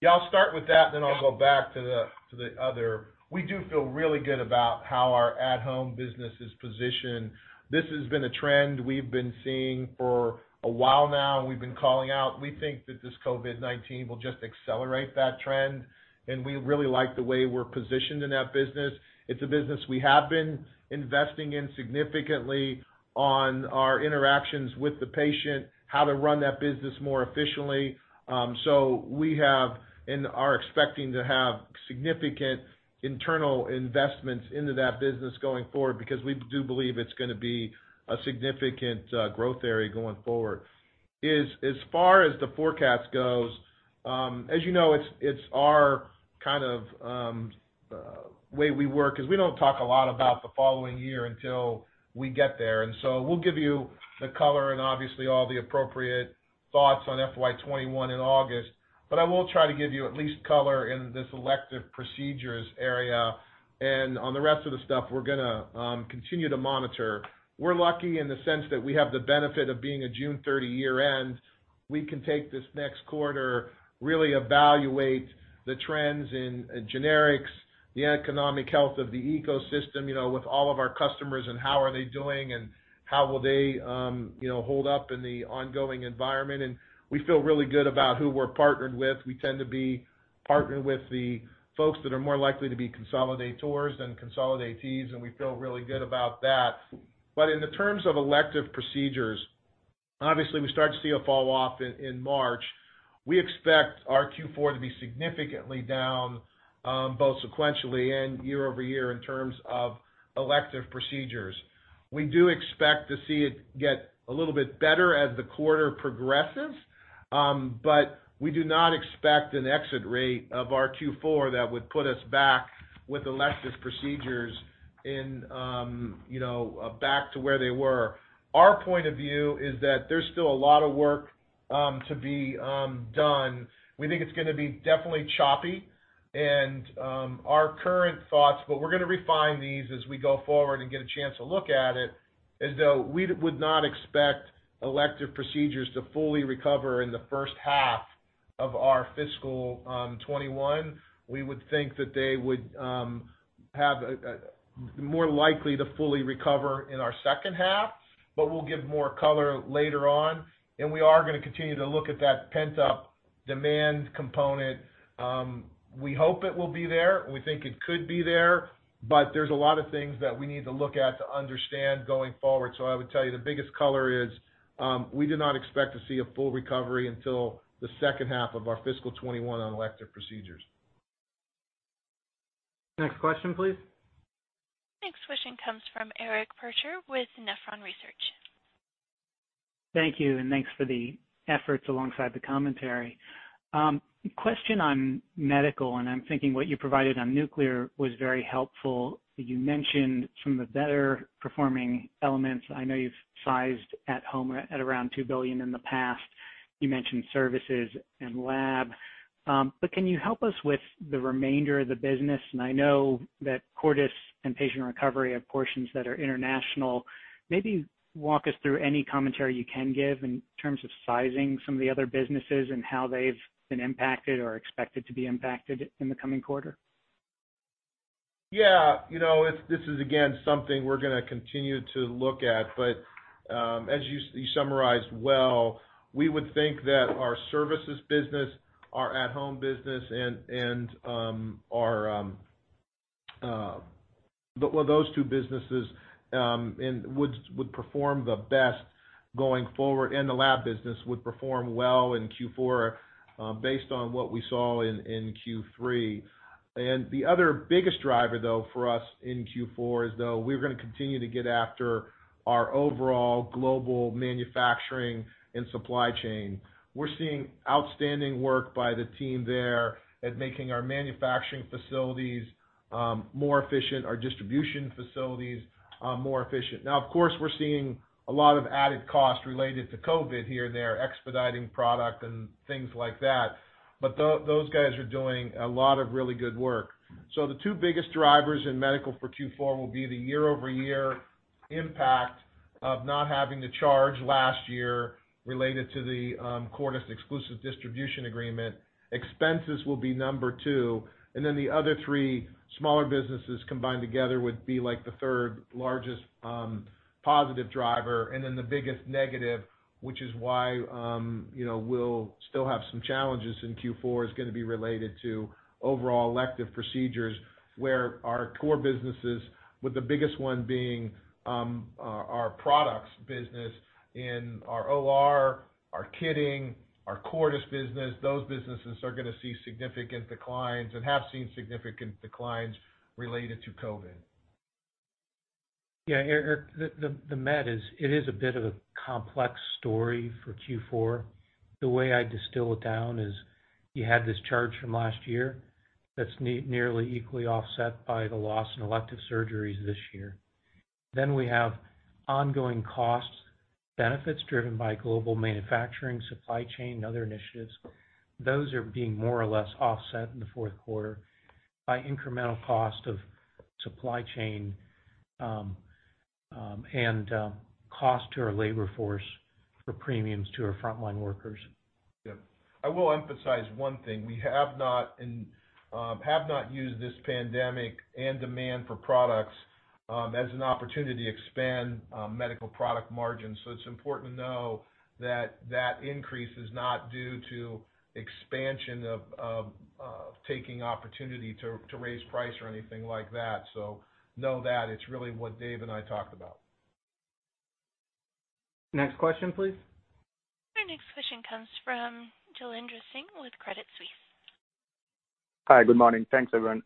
Yeah, I'll start with that. I'll go back to the other. We do feel really good about how our at-Home business is positioned. This has been a trend we've been seeing for a while now, and we've been calling out. We think that this COVID-19 will just accelerate that trend, and we really like the way we're positioned in that business. It's a business we have been investing in significantly on our interactions with the patient, how to run that business more efficiently. We have and are expecting to have significant internal investments into that business going forward because we do believe it's going to be a significant growth area going forward. As far as the forecast goes, as you know, it's our way we work, is we don't talk a lot about the following year until we get there. We'll give you the color and obviously all the appropriate thoughts on FY2021 in August. I will try to give you at least color in this elective procedures area. On the rest of the stuff, we're going to continue to monitor. We're lucky in the sense that we have the benefit of being a June 30 year-end. We can take this next quarter, really evaluate the trends in generics, the economic health of the ecosystem, with all of our customers and how are they doing and how will they hold up in the ongoing environment. We feel really good about who we're partnered with. We tend to be partnered with the folks that are more likely to be consolidators than consolidatees, and we feel really good about that. In the terms of elective procedures, obviously, we started to see a fall-off in March. We expect our Q4 to be significantly down, both sequentially and year-over-year in terms of elective procedures. We do expect to see it get a little bit better as the quarter progresses, but we do not expect an exit rate of our Q4 that would put us back with elective procedures back to where they were. Our point of view is that there's still a lot of work to be done. We think it's going to be definitely choppy, and our current thoughts, but we're going to refine these as we go forward and get a chance to look at it, is though we would not expect elective procedures to fully recover in the first half of our fiscal 2021. We would think that they would have more likely to fully recover in our second half, but we'll give more color later on, and we are going to continue to look at that pent-up demand component. We hope it will be there. We think it could be there, but there's a lot of things that we need to look at to understand going forward. I would tell you the biggest color is, we do not expect to see a full recovery until the second half of our fiscal 2021 on elective procedures. Next question, please. Next question comes from Eric Percher with Nephron Research. Thank you, and thanks for the efforts alongside the commentary. Question on medical, and I'm thinking what you provided on nuclear was very helpful. You mentioned some of the better-performing elements. I know you've sized at-Home at around $2 billion in the past. You mentioned services and lab. Can you help us with the remainder of the business? I know that Cordis and Patient Recovery have portions that are international. Maybe walk us through any commentary you can give in terms of sizing some of the other businesses and how they've been impacted or expected to be impacted in the coming quarter. Yeah. This is, again, something we're going to continue to look at, but as you summarized well, we would think that our services business, our at-Home business, and those two businesses would perform the best going forward, the lab business would perform well in Q4, based on what we saw in Q3. The other biggest driver, though, for us in Q4 is though, we're going to continue to get after our overall global manufacturing and supply chain. We're seeing outstanding work by the team there at making our manufacturing facilities more efficient, our distribution facilities more efficient. Now, of course, we're seeing a lot of added cost related to COVID here and there, expediting product and things like that, but those guys are doing a lot of really good work. The two biggest drivers in medical for Q4 will be the year-over-year impact of not having to charge last year related to the Cordis exclusive distribution agreement. Expenses will be number two. The other three smaller businesses combined together would be the third-largest positive driver. The biggest negative, which is why we'll still have some challenges in Q4, is going to be related to overall elective procedures, where our core businesses, with the biggest one being our products business in our OR, our kitting, our Cordis business, those businesses are going to see significant declines and have seen significant declines related to COVID. Yeah, Eric, the med is a bit of a complex story for Q4. The way I distill it down is you had this charge from last year that's nearly equally offset by the loss in elective surgeries this year. We have ongoing costs, benefits driven by global manufacturing, supply chain, and other initiatives. Those are being more or less offset in the fourth quarter by incremental cost of supply chain, and cost to our labor force for premiums to our frontline workers. I will emphasize one thing. We have not used this pandemic and demand for products as an opportunity to expand medical product margins. It's important to know that that increase is not due to expansion of taking opportunity to raise price or anything like that. Know that. It's really what Dave and I talked about. Next question please. Our next question comes from Jailendra Singh with Credit Suisse. Hi. Good morning. Thanks, everyone.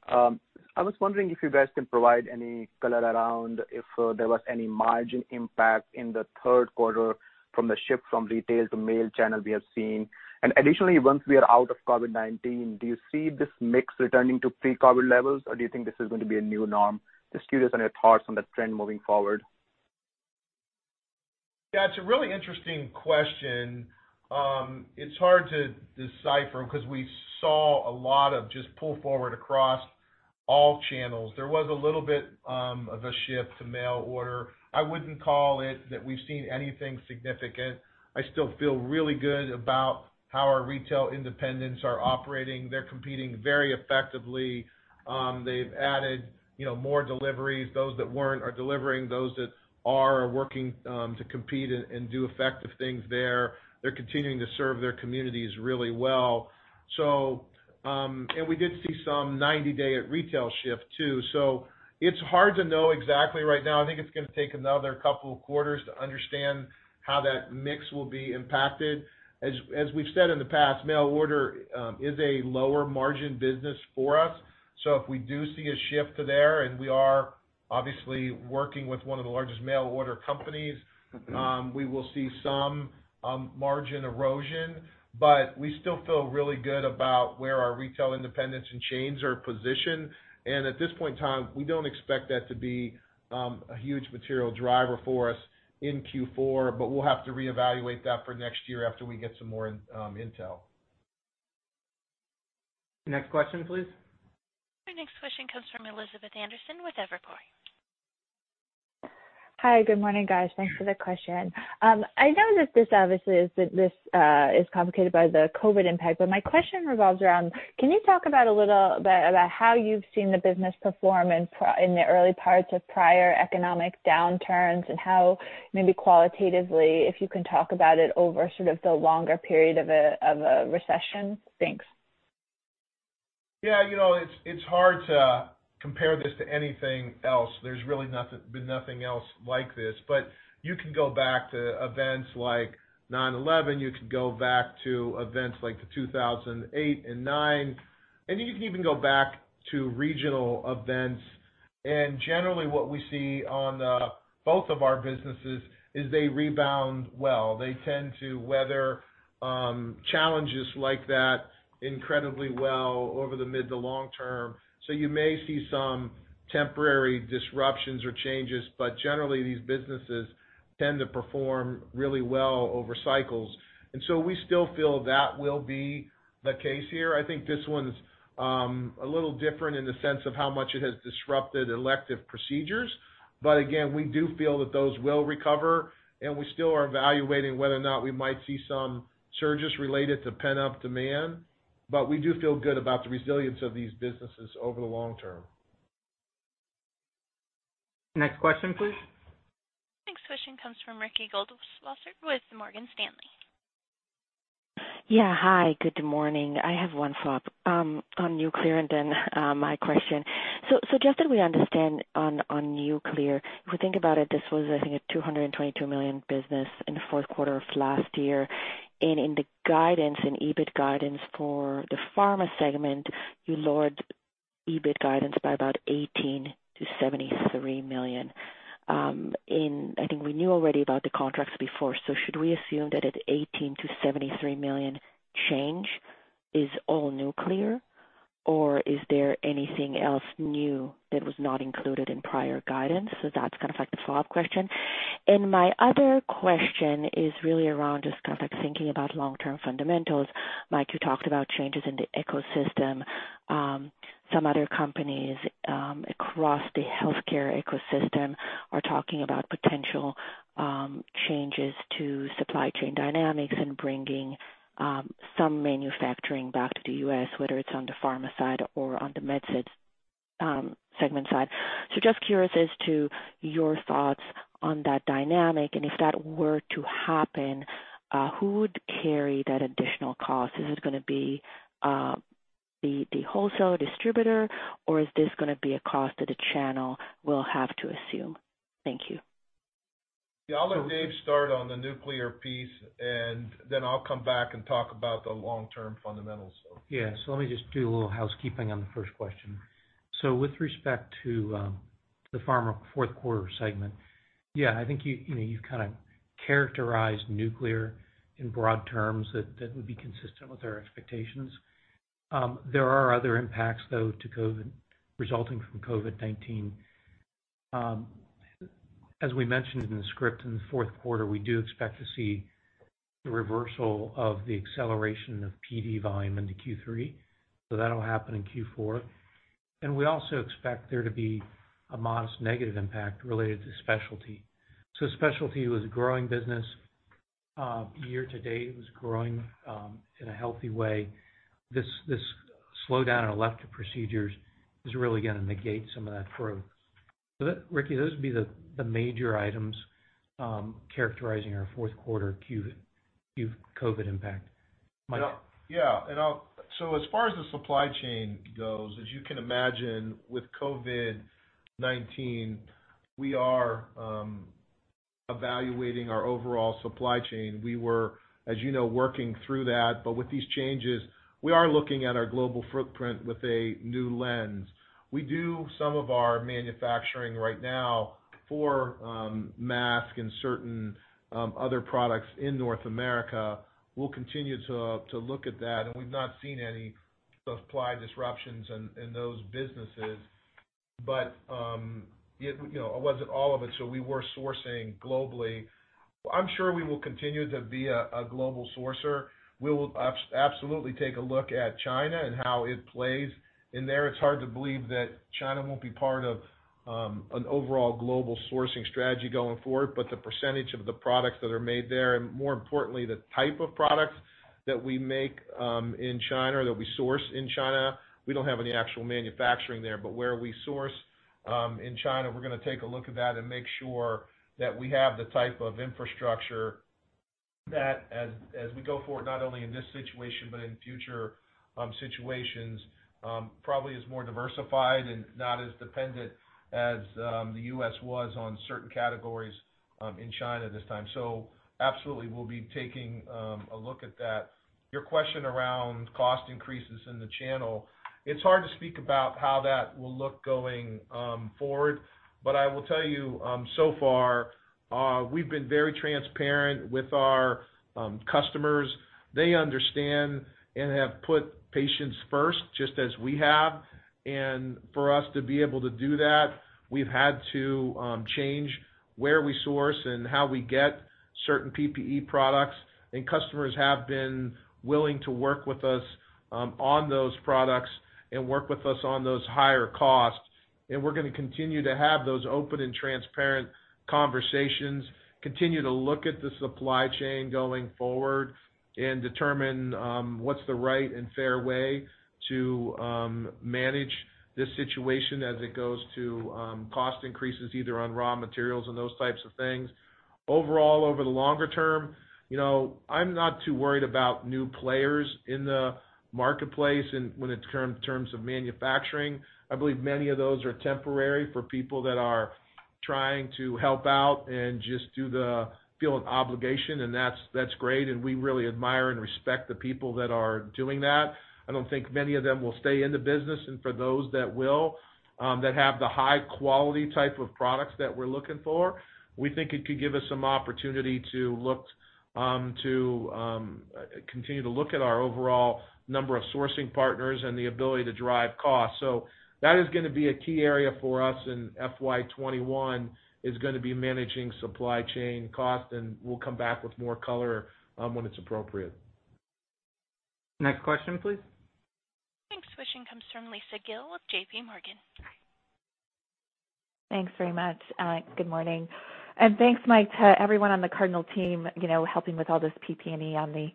I was wondering if you guys can provide any color around if there was any margin impact in the third quarter from the shift from retail to mail channel we have seen. Additionally, once we are out of COVID-19, do you see this mix returning to pre-COVID levels, or do you think this is going to be a new norm? Just curious on your thoughts on that trend moving forward. Yeah, it's a really interesting question. It's hard to decipher because we saw a lot of just pull forward across all channels. There was a little bit of a shift to mail order. I wouldn't call it that we've seen anything significant. I still feel really good about how our retail independents are operating. They're competing very effectively. They've added more deliveries. Those that weren't are delivering, those that are working to compete and do effective things there. They're continuing to serve their communities really well. We did see some 90-day at-retail shift, too. It's hard to know exactly right now. I think it's going to take another couple of quarters to understand how that mix will be impacted. As we've said in the past, mail order is a lower margin business for us. If we do see a shift to there, and we are obviously working with one of the largest mail order companies, we will see some margin erosion, but we still feel really good about where our retail independents and chains are positioned. At this point in time, we don't expect that to be a huge material driver for us in Q4, but we'll have to reevaluate that for next year after we get some more intel. Next question, please. Our next question comes from Elizabeth Anderson with Evercore. Hi. Good morning, guys. Thanks for the question. I know that this obviously is complicated by the COVID impact, but my question revolves around, can you talk about a little bit about how you've seen the business perform in the early parts of prior economic downturns and how maybe qualitatively, if you can talk about it over sort of the longer period of a recession? Thanks. Yeah. It's hard to compare this to anything else. There's really been nothing else like this. You can go back to events like 9/11, you could go back to events like the 2008 and 2009, and you can even go back to regional events. Generally, what we see on both of our businesses is they rebound well. They tend to weather challenges like that incredibly well over the mid to long term. You may see some temporary disruptions or changes, but generally, these businesses tend to perform really well over cycles. We still feel that will be the case here. I think this one's a little different in the sense of how much it has disrupted elective procedures. Again, we do feel that those will recover, and we still are evaluating whether or not we might see some surges related to pent-up demand. We do feel good about the resilience of these businesses over the long term. Next question, please. Next question comes from Ricky Goldwasser with Morgan Stanley. Hi, good morning. I have one follow-up on nuclear and then my question. Just that we understand on nuclear, if we think about it, this was, I think, a $222 million business in the fourth quarter of last year. In the guidance, in EBIT guidance for the pharma segment, you lowered EBIT guidance by about $18 million-$73 million. I think we knew already about the contracts before, should we assume that at $18 million-$73 million change is all nuclear, or is there anything else new that was not included in prior guidance? That's the follow-up question. My other question is really around just thinking about long-term fundamentals. Mike, you talked about changes in the ecosystem. Some other companies across the healthcare ecosystem are talking about potential changes to supply chain dynamics and bringing some manufacturing back to the U.S., whether it's on the pharma side or on the med segment side. Just curious as to your thoughts on that dynamic, and if that were to happen, who would carry that additional cost? Is it going to be the wholesaler distributor, or is this going to be a cost that the channel will have to assume? Thank you. Yeah. I'll let Dave start on the nuclear piece, and then I'll come back and talk about the long-term fundamentals. Yeah. Let me just do a little housekeeping on the first question. With respect to the pharma fourth quarter segment, yeah, I think you've characterized nuclear in broad terms that would be consistent with our expectations. There are other impacts, though, resulting from COVID-19. As we mentioned in the script in the fourth quarter, we do expect to see the reversal of the acceleration of PD volume into Q3, that'll happen in Q4. We also expect there to be a modest negative impact related to specialty. Specialty was a growing business. Year-to-date, it was growing in a healthy way. This slowdown in elective procedures is really going to negate some of that growth. Ricky, those would be the major items characterizing our fourth quarter COVID impact. Mike? Yeah. As far as the supply chain goes, as you can imagine with COVID-19, we are evaluating our overall supply chain. We were, as you know, working through that. With these changes, we are looking at our global footprint with a new lens. We do some of our manufacturing right now for masks and certain other products in North America. We'll continue to look at that, and we've not seen any supply disruptions in those businesses. It wasn't all of it, so we were sourcing globally. I'm sure we will continue to be a global sourcer. We will absolutely take a look at China and how it plays in there. It's hard to believe that China won't be part of an overall global sourcing strategy going forward. The percentage of the products that are made there, and more importantly, the type of products that we make in China, that we source in China, we don't have any actual manufacturing there, but where we source in China, we're going to take a look at that and make sure that we have the type of infrastructure that, as we go forward, not only in this situation, but in future situations, probably is more diversified and not as dependent as the U.S. was on certain categories in China this time. Absolutely, we'll be taking a look at that. Your question around cost increases in the channel, it's hard to speak about how that will look going forward. I will tell you, so far, we've been very transparent with our customers. They understand and have put patients first, just as we have. For us to be able to do that, we've had to change where we source and how we get certain PPE products. Customers have been willing to work with us on those products and work with us on those higher costs. We're going to continue to have those open and transparent conversations, continue to look at the supply chain going forward and determine what's the right and fair way to manage this situation as it goes to cost increases, either on raw materials and those types of things. Overall, over the longer term, I'm not too worried about new players in the marketplace in terms of manufacturing. I believe many of those are temporary for people that are trying to help out and just feel an obligation, and that's great, and we really admire and respect the people that are doing that. I don't think many of them will stay in the business, and for those that will, that have the high-quality type of products that we're looking for, we think it could give us some opportunity to look to continue to look at our overall number of sourcing partners and the ability to drive cost. That is going to be a key area for us in FY 2021, is going to be managing supply chain cost, and we'll come back with more color when it's appropriate. Next question, please. Next question comes from Lisa Gill with JPMorgan. Thanks very much. Good morning. Thanks, Mike, to everyone on the Cardinal team, helping with all this PPE on the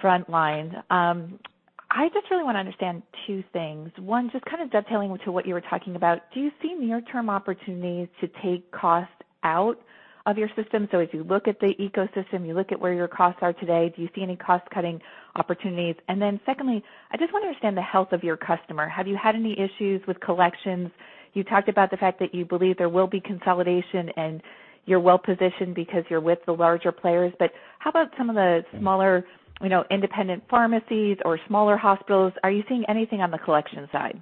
front line. I just really want to understand two things. One, just dovetailing into what you were talking about, do you see near-term opportunities to take cost out of your system? If you look at the ecosystem, you look at where your costs are today, do you see any cost-cutting opportunities? Secondly, I just want to understand the health of your customer. Have you had any issues with collections? You talked about the fact that you believe there will be consolidation, and you're well-positioned because you're with the larger players. How about some of the smaller, independent pharmacies or smaller hospitals? Are you seeing anything on the collection side?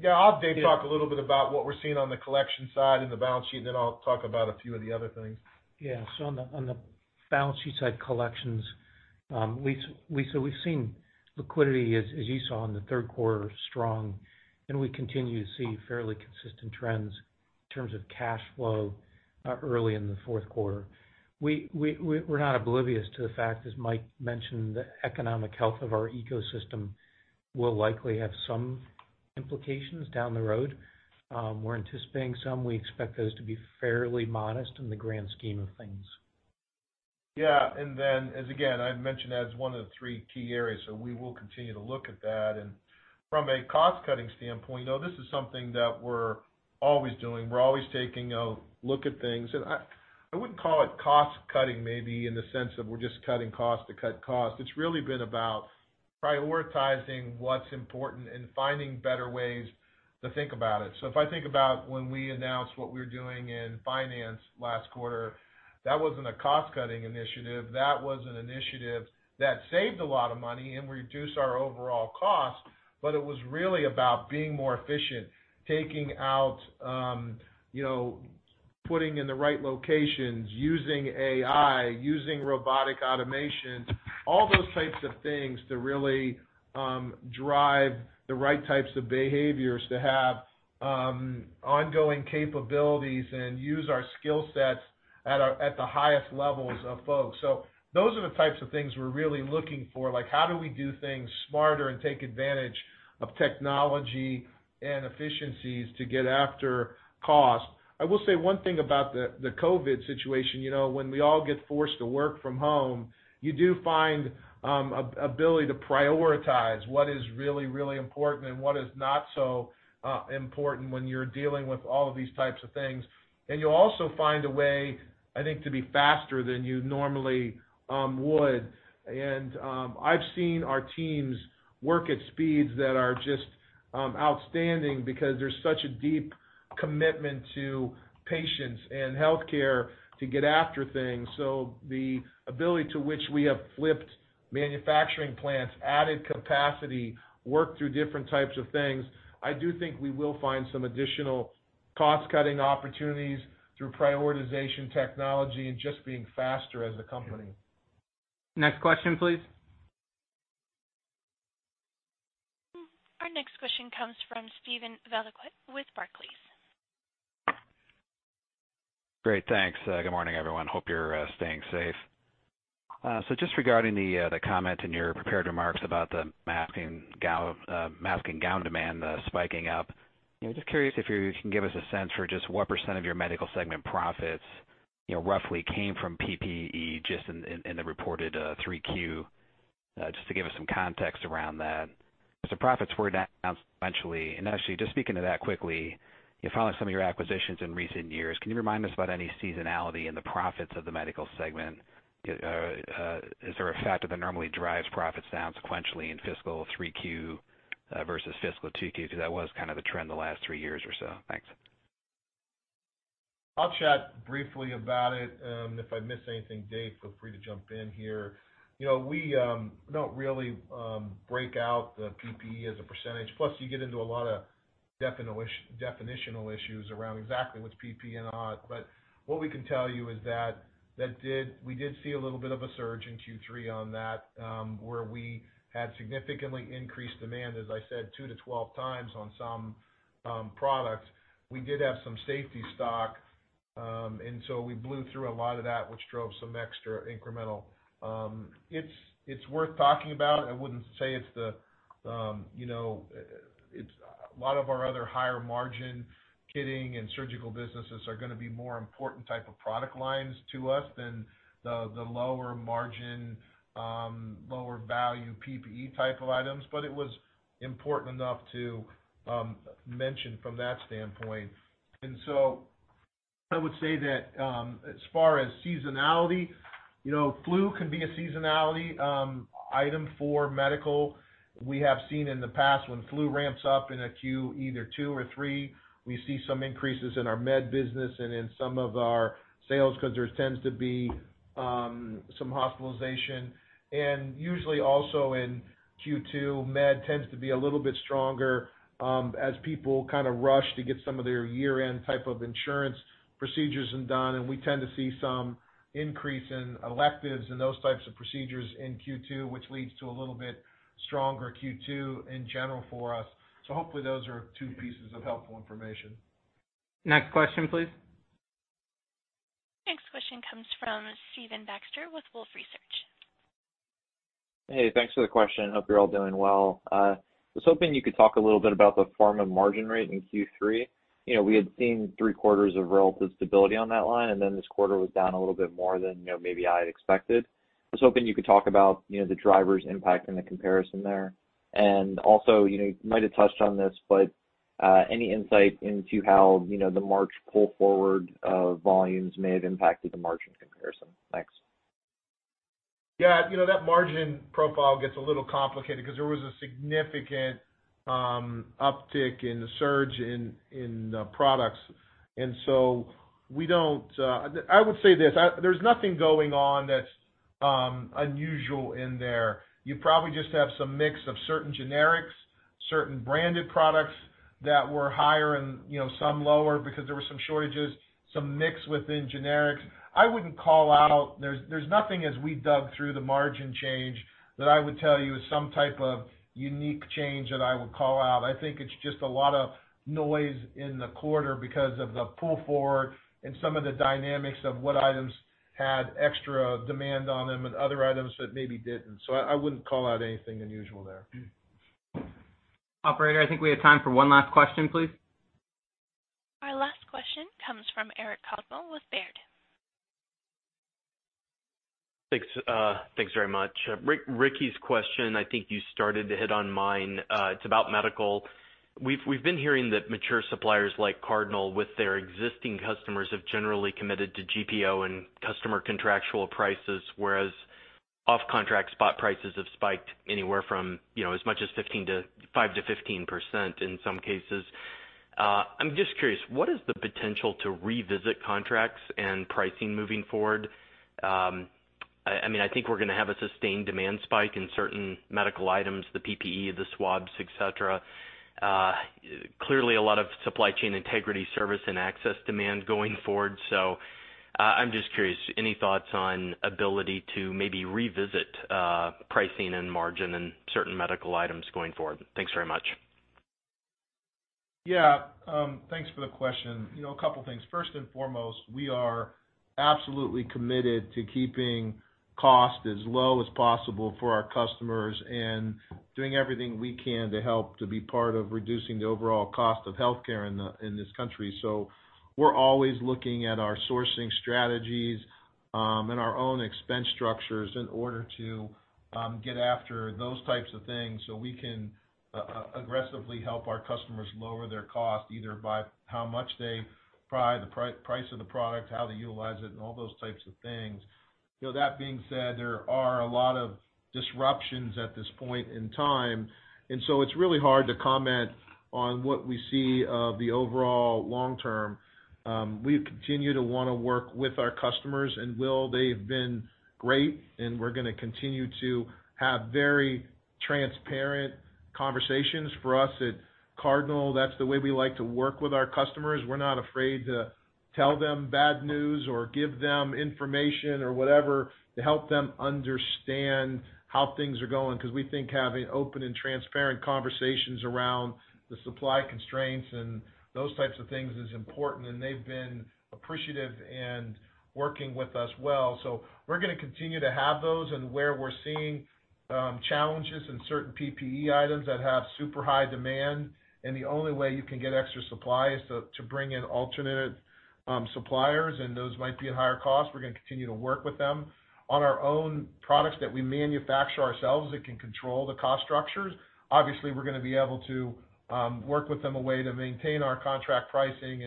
Yeah. Dave, talk a little bit about what we're seeing on the collection side and the balance sheet, and then I'll talk about a few of the other things. Yeah. On the balance sheet side, collections, Lisa, we've seen liquidity, as you saw in the third quarter, strong, and we continue to see fairly consistent trends in terms of cash flow early in the fourth quarter. We're not oblivious to the fact, as Mike mentioned, the economic health of our ecosystem will likely have some implications down the road. We're anticipating some. We expect those to be fairly modest in the grand scheme of things. Yeah. Then, as again, I mentioned, that is one of the three key areas. We will continue to look at that. From a cost-cutting standpoint, this is something that we're always doing. We're always taking a look at things. I wouldn't call it cost cutting, maybe in the sense of we're just cutting cost to cut cost. It's really been about prioritizing what's important and finding better ways to think about it. If I think about when we announced what we were doing in finance last quarter, that wasn't a cost-cutting initiative. That was an initiative that saved a lot of money and reduced our overall cost, but it was really about being more efficient. Taking out, putting in the right locations, using AI, using robotic automation, all those types of things to really drive the right types of behaviors to have ongoing capabilities and use our skill sets at the highest levels of folks. Those are the types of things we're really looking for, like how do we do things smarter and take advantage of technology and efficiencies to get after cost. I will say one thing about the COVID situation. When we all get forced to work from home, you do find ability to prioritize what is really, really important and what is not so important when you're dealing with all of these types of things. You'll also find a way, I think, to be faster than you normally would. I've seen our teams work at speeds that are just outstanding because there's such a deep commitment to patients and healthcare to get after things. The ability to which we have flipped manufacturing plants, added capacity, worked through different types of things, I do think we will find some additional cost-cutting opportunities through prioritization technology and just being faster as a company. Next question, please. Our next question comes from Steven Valiquette with Barclays. Great. Thanks. Good morning, everyone. Hope you're staying safe. Just regarding the comment in your prepared remarks about the mask and gown demand spiking up, just curious if you can give us a sense for just what percent of your medical segment profits roughly came from PPE, just in the reported 3Q, just to give us some context around that. As the profits were down sequentially, and actually just speaking to that quickly, following some of your acquisitions in recent years, can you remind us about any seasonality in the profits of the medical segment? Is there a factor that normally drives profits down sequentially in fiscal 3Q versus fiscal 2Q? That was kind of the trend the last three years or so. Thanks. I'll chat briefly about it. If I miss anything, Dave, feel free to jump in here. We don't really break out the PPE as a percentage. You get into a lot of definitional issues around exactly what's PPE and not. What we can tell you is that we did see a little bit of a surge in Q3 on that, where we had significantly increased demand, as I said, 2x-12x on some products. We did have some safety stock, we blew through a lot of that, which drove some extra incremental. It's worth talking about. I wouldn't say it's A lot of our other higher margin kitting and surgical businesses are going to be more important type of product lines to us than the lower margin, lower value PPE type of items. It was important enough to mention from that standpoint. I would say that, as far as seasonality, flu can be a seasonality item for medical. We have seen in the past when flu ramps up in a Q, either Q2 or Q3, we see some increases in our med business and in some of our sales because there tends to be some hospitalization, and usually also in Q2, med tends to be a little bit stronger as people rush to get some of their year-end type of insurance procedures done. We tend to see some increase in electives and those types of procedures in Q2, which leads to a little bit stronger Q2 in general for us. Hopefully those are two pieces of helpful information. Next question, please. Next question comes from Stephen Baxter with Wolfe Research. Hey, thanks for the question. Hope you're all doing well. I was hoping you could talk a little bit about the pharma margin rate in Q3. We had seen three quarters of relative stability on that line, and then this quarter was down a little bit more than maybe I had expected. I was hoping you could talk about the drivers impacting the comparison there. Also, you might have touched on this, but any insight into how the March pull forward of volumes may have impacted the margin comparison? Thanks. That margin profile gets a little complicated because there was a significant uptick in the surge in products. I would say this, there's nothing going on that's unusual in there. You probably just have some mix of certain generics, certain branded products that were higher and some lower because there were some shortages, some mix within generics. I wouldn't call out. There's nothing as we dug through the margin change that I would tell you is some type of unique change that I would call out. I think it's just a lot of noise in the quarter because of the pull forward and some of the dynamics of what items had extra demand on them and other items that maybe didn't. I wouldn't call out anything unusual there. Operator, I think we have time for one last question, please. Our last question comes from Eric Coldwell with Baird. Thanks very much. Ricky's question, I think you started to hit on mine. It's about medical. We've been hearing that mature suppliers like Cardinal, with their existing customers, have generally committed to GPO and customer contractual prices, whereas off-contract spot prices have spiked anywhere from as much as 5%-15% in some cases. I'm just curious, what is the potential to revisit contracts and pricing moving forward? I think we're going to have a sustained demand spike in certain medical items, the PPE, the swabs, et cetera. Clearly, a lot of supply chain integrity, service, and access demand going forward. I'm just curious, any thoughts on ability to maybe revisit pricing and margin on certain medical items going forward? Thanks very much. Yeah. Thanks for the question. A couple of things. First and foremost, we are absolutely committed to keeping cost as low as possible for our customers and doing everything we can to help to be part of reducing the overall cost of healthcare in this country. We're always looking at our sourcing strategies and our own expense structures in order to get after those types of things so we can aggressively help our customers lower their cost, either by how much they price the product, how they utilize it, and all those types of things. That being said, there are a lot of disruptions at this point in time, and so it's really hard to comment on what we see of the overall long term. We continue to want to work with our customers and will. They've been great, and we're going to continue to have very transparent conversations. For us at Cardinal, that's the way we like to work with our customers. We're not afraid to tell them bad news or give them information or whatever to help them understand how things are going, because we think having open and transparent conversations around the supply constraints and those types of things is important, and they've been appreciative and working with us well. We're going to continue to have those and where we're seeing challenges in certain PPE items that have super high demand, and the only way you can get extra supply is to bring in alternate suppliers, and those might be at higher cost. We're going to continue to work with them. On our own products that we manufacture ourselves and can control the cost structures, obviously, we're going to be able to work with them a way to maintain our contract pricing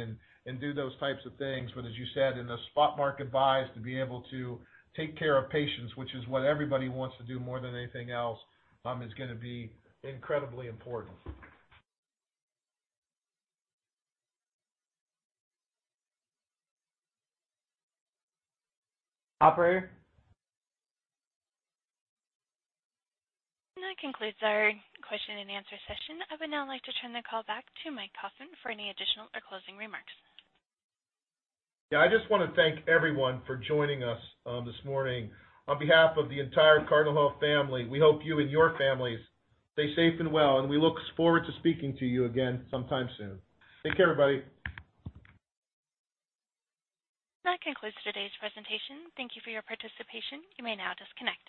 and do those types of things. As you said, in the spot market buys, to be able to take care of patients, which is what everybody wants to do more than anything else, is going to be incredibly important. Operator? That concludes our question and answer session. I would now like to turn the call back to Mike Kaufmann for any additional or closing remarks. I just want to thank everyone for joining us this morning. On behalf of the entire Cardinal Health family, we hope you and your families stay safe and well, and we look forward to speaking to you again sometime soon. Take care, everybody. That concludes today's presentation. Thank you for your participation. You may now disconnect.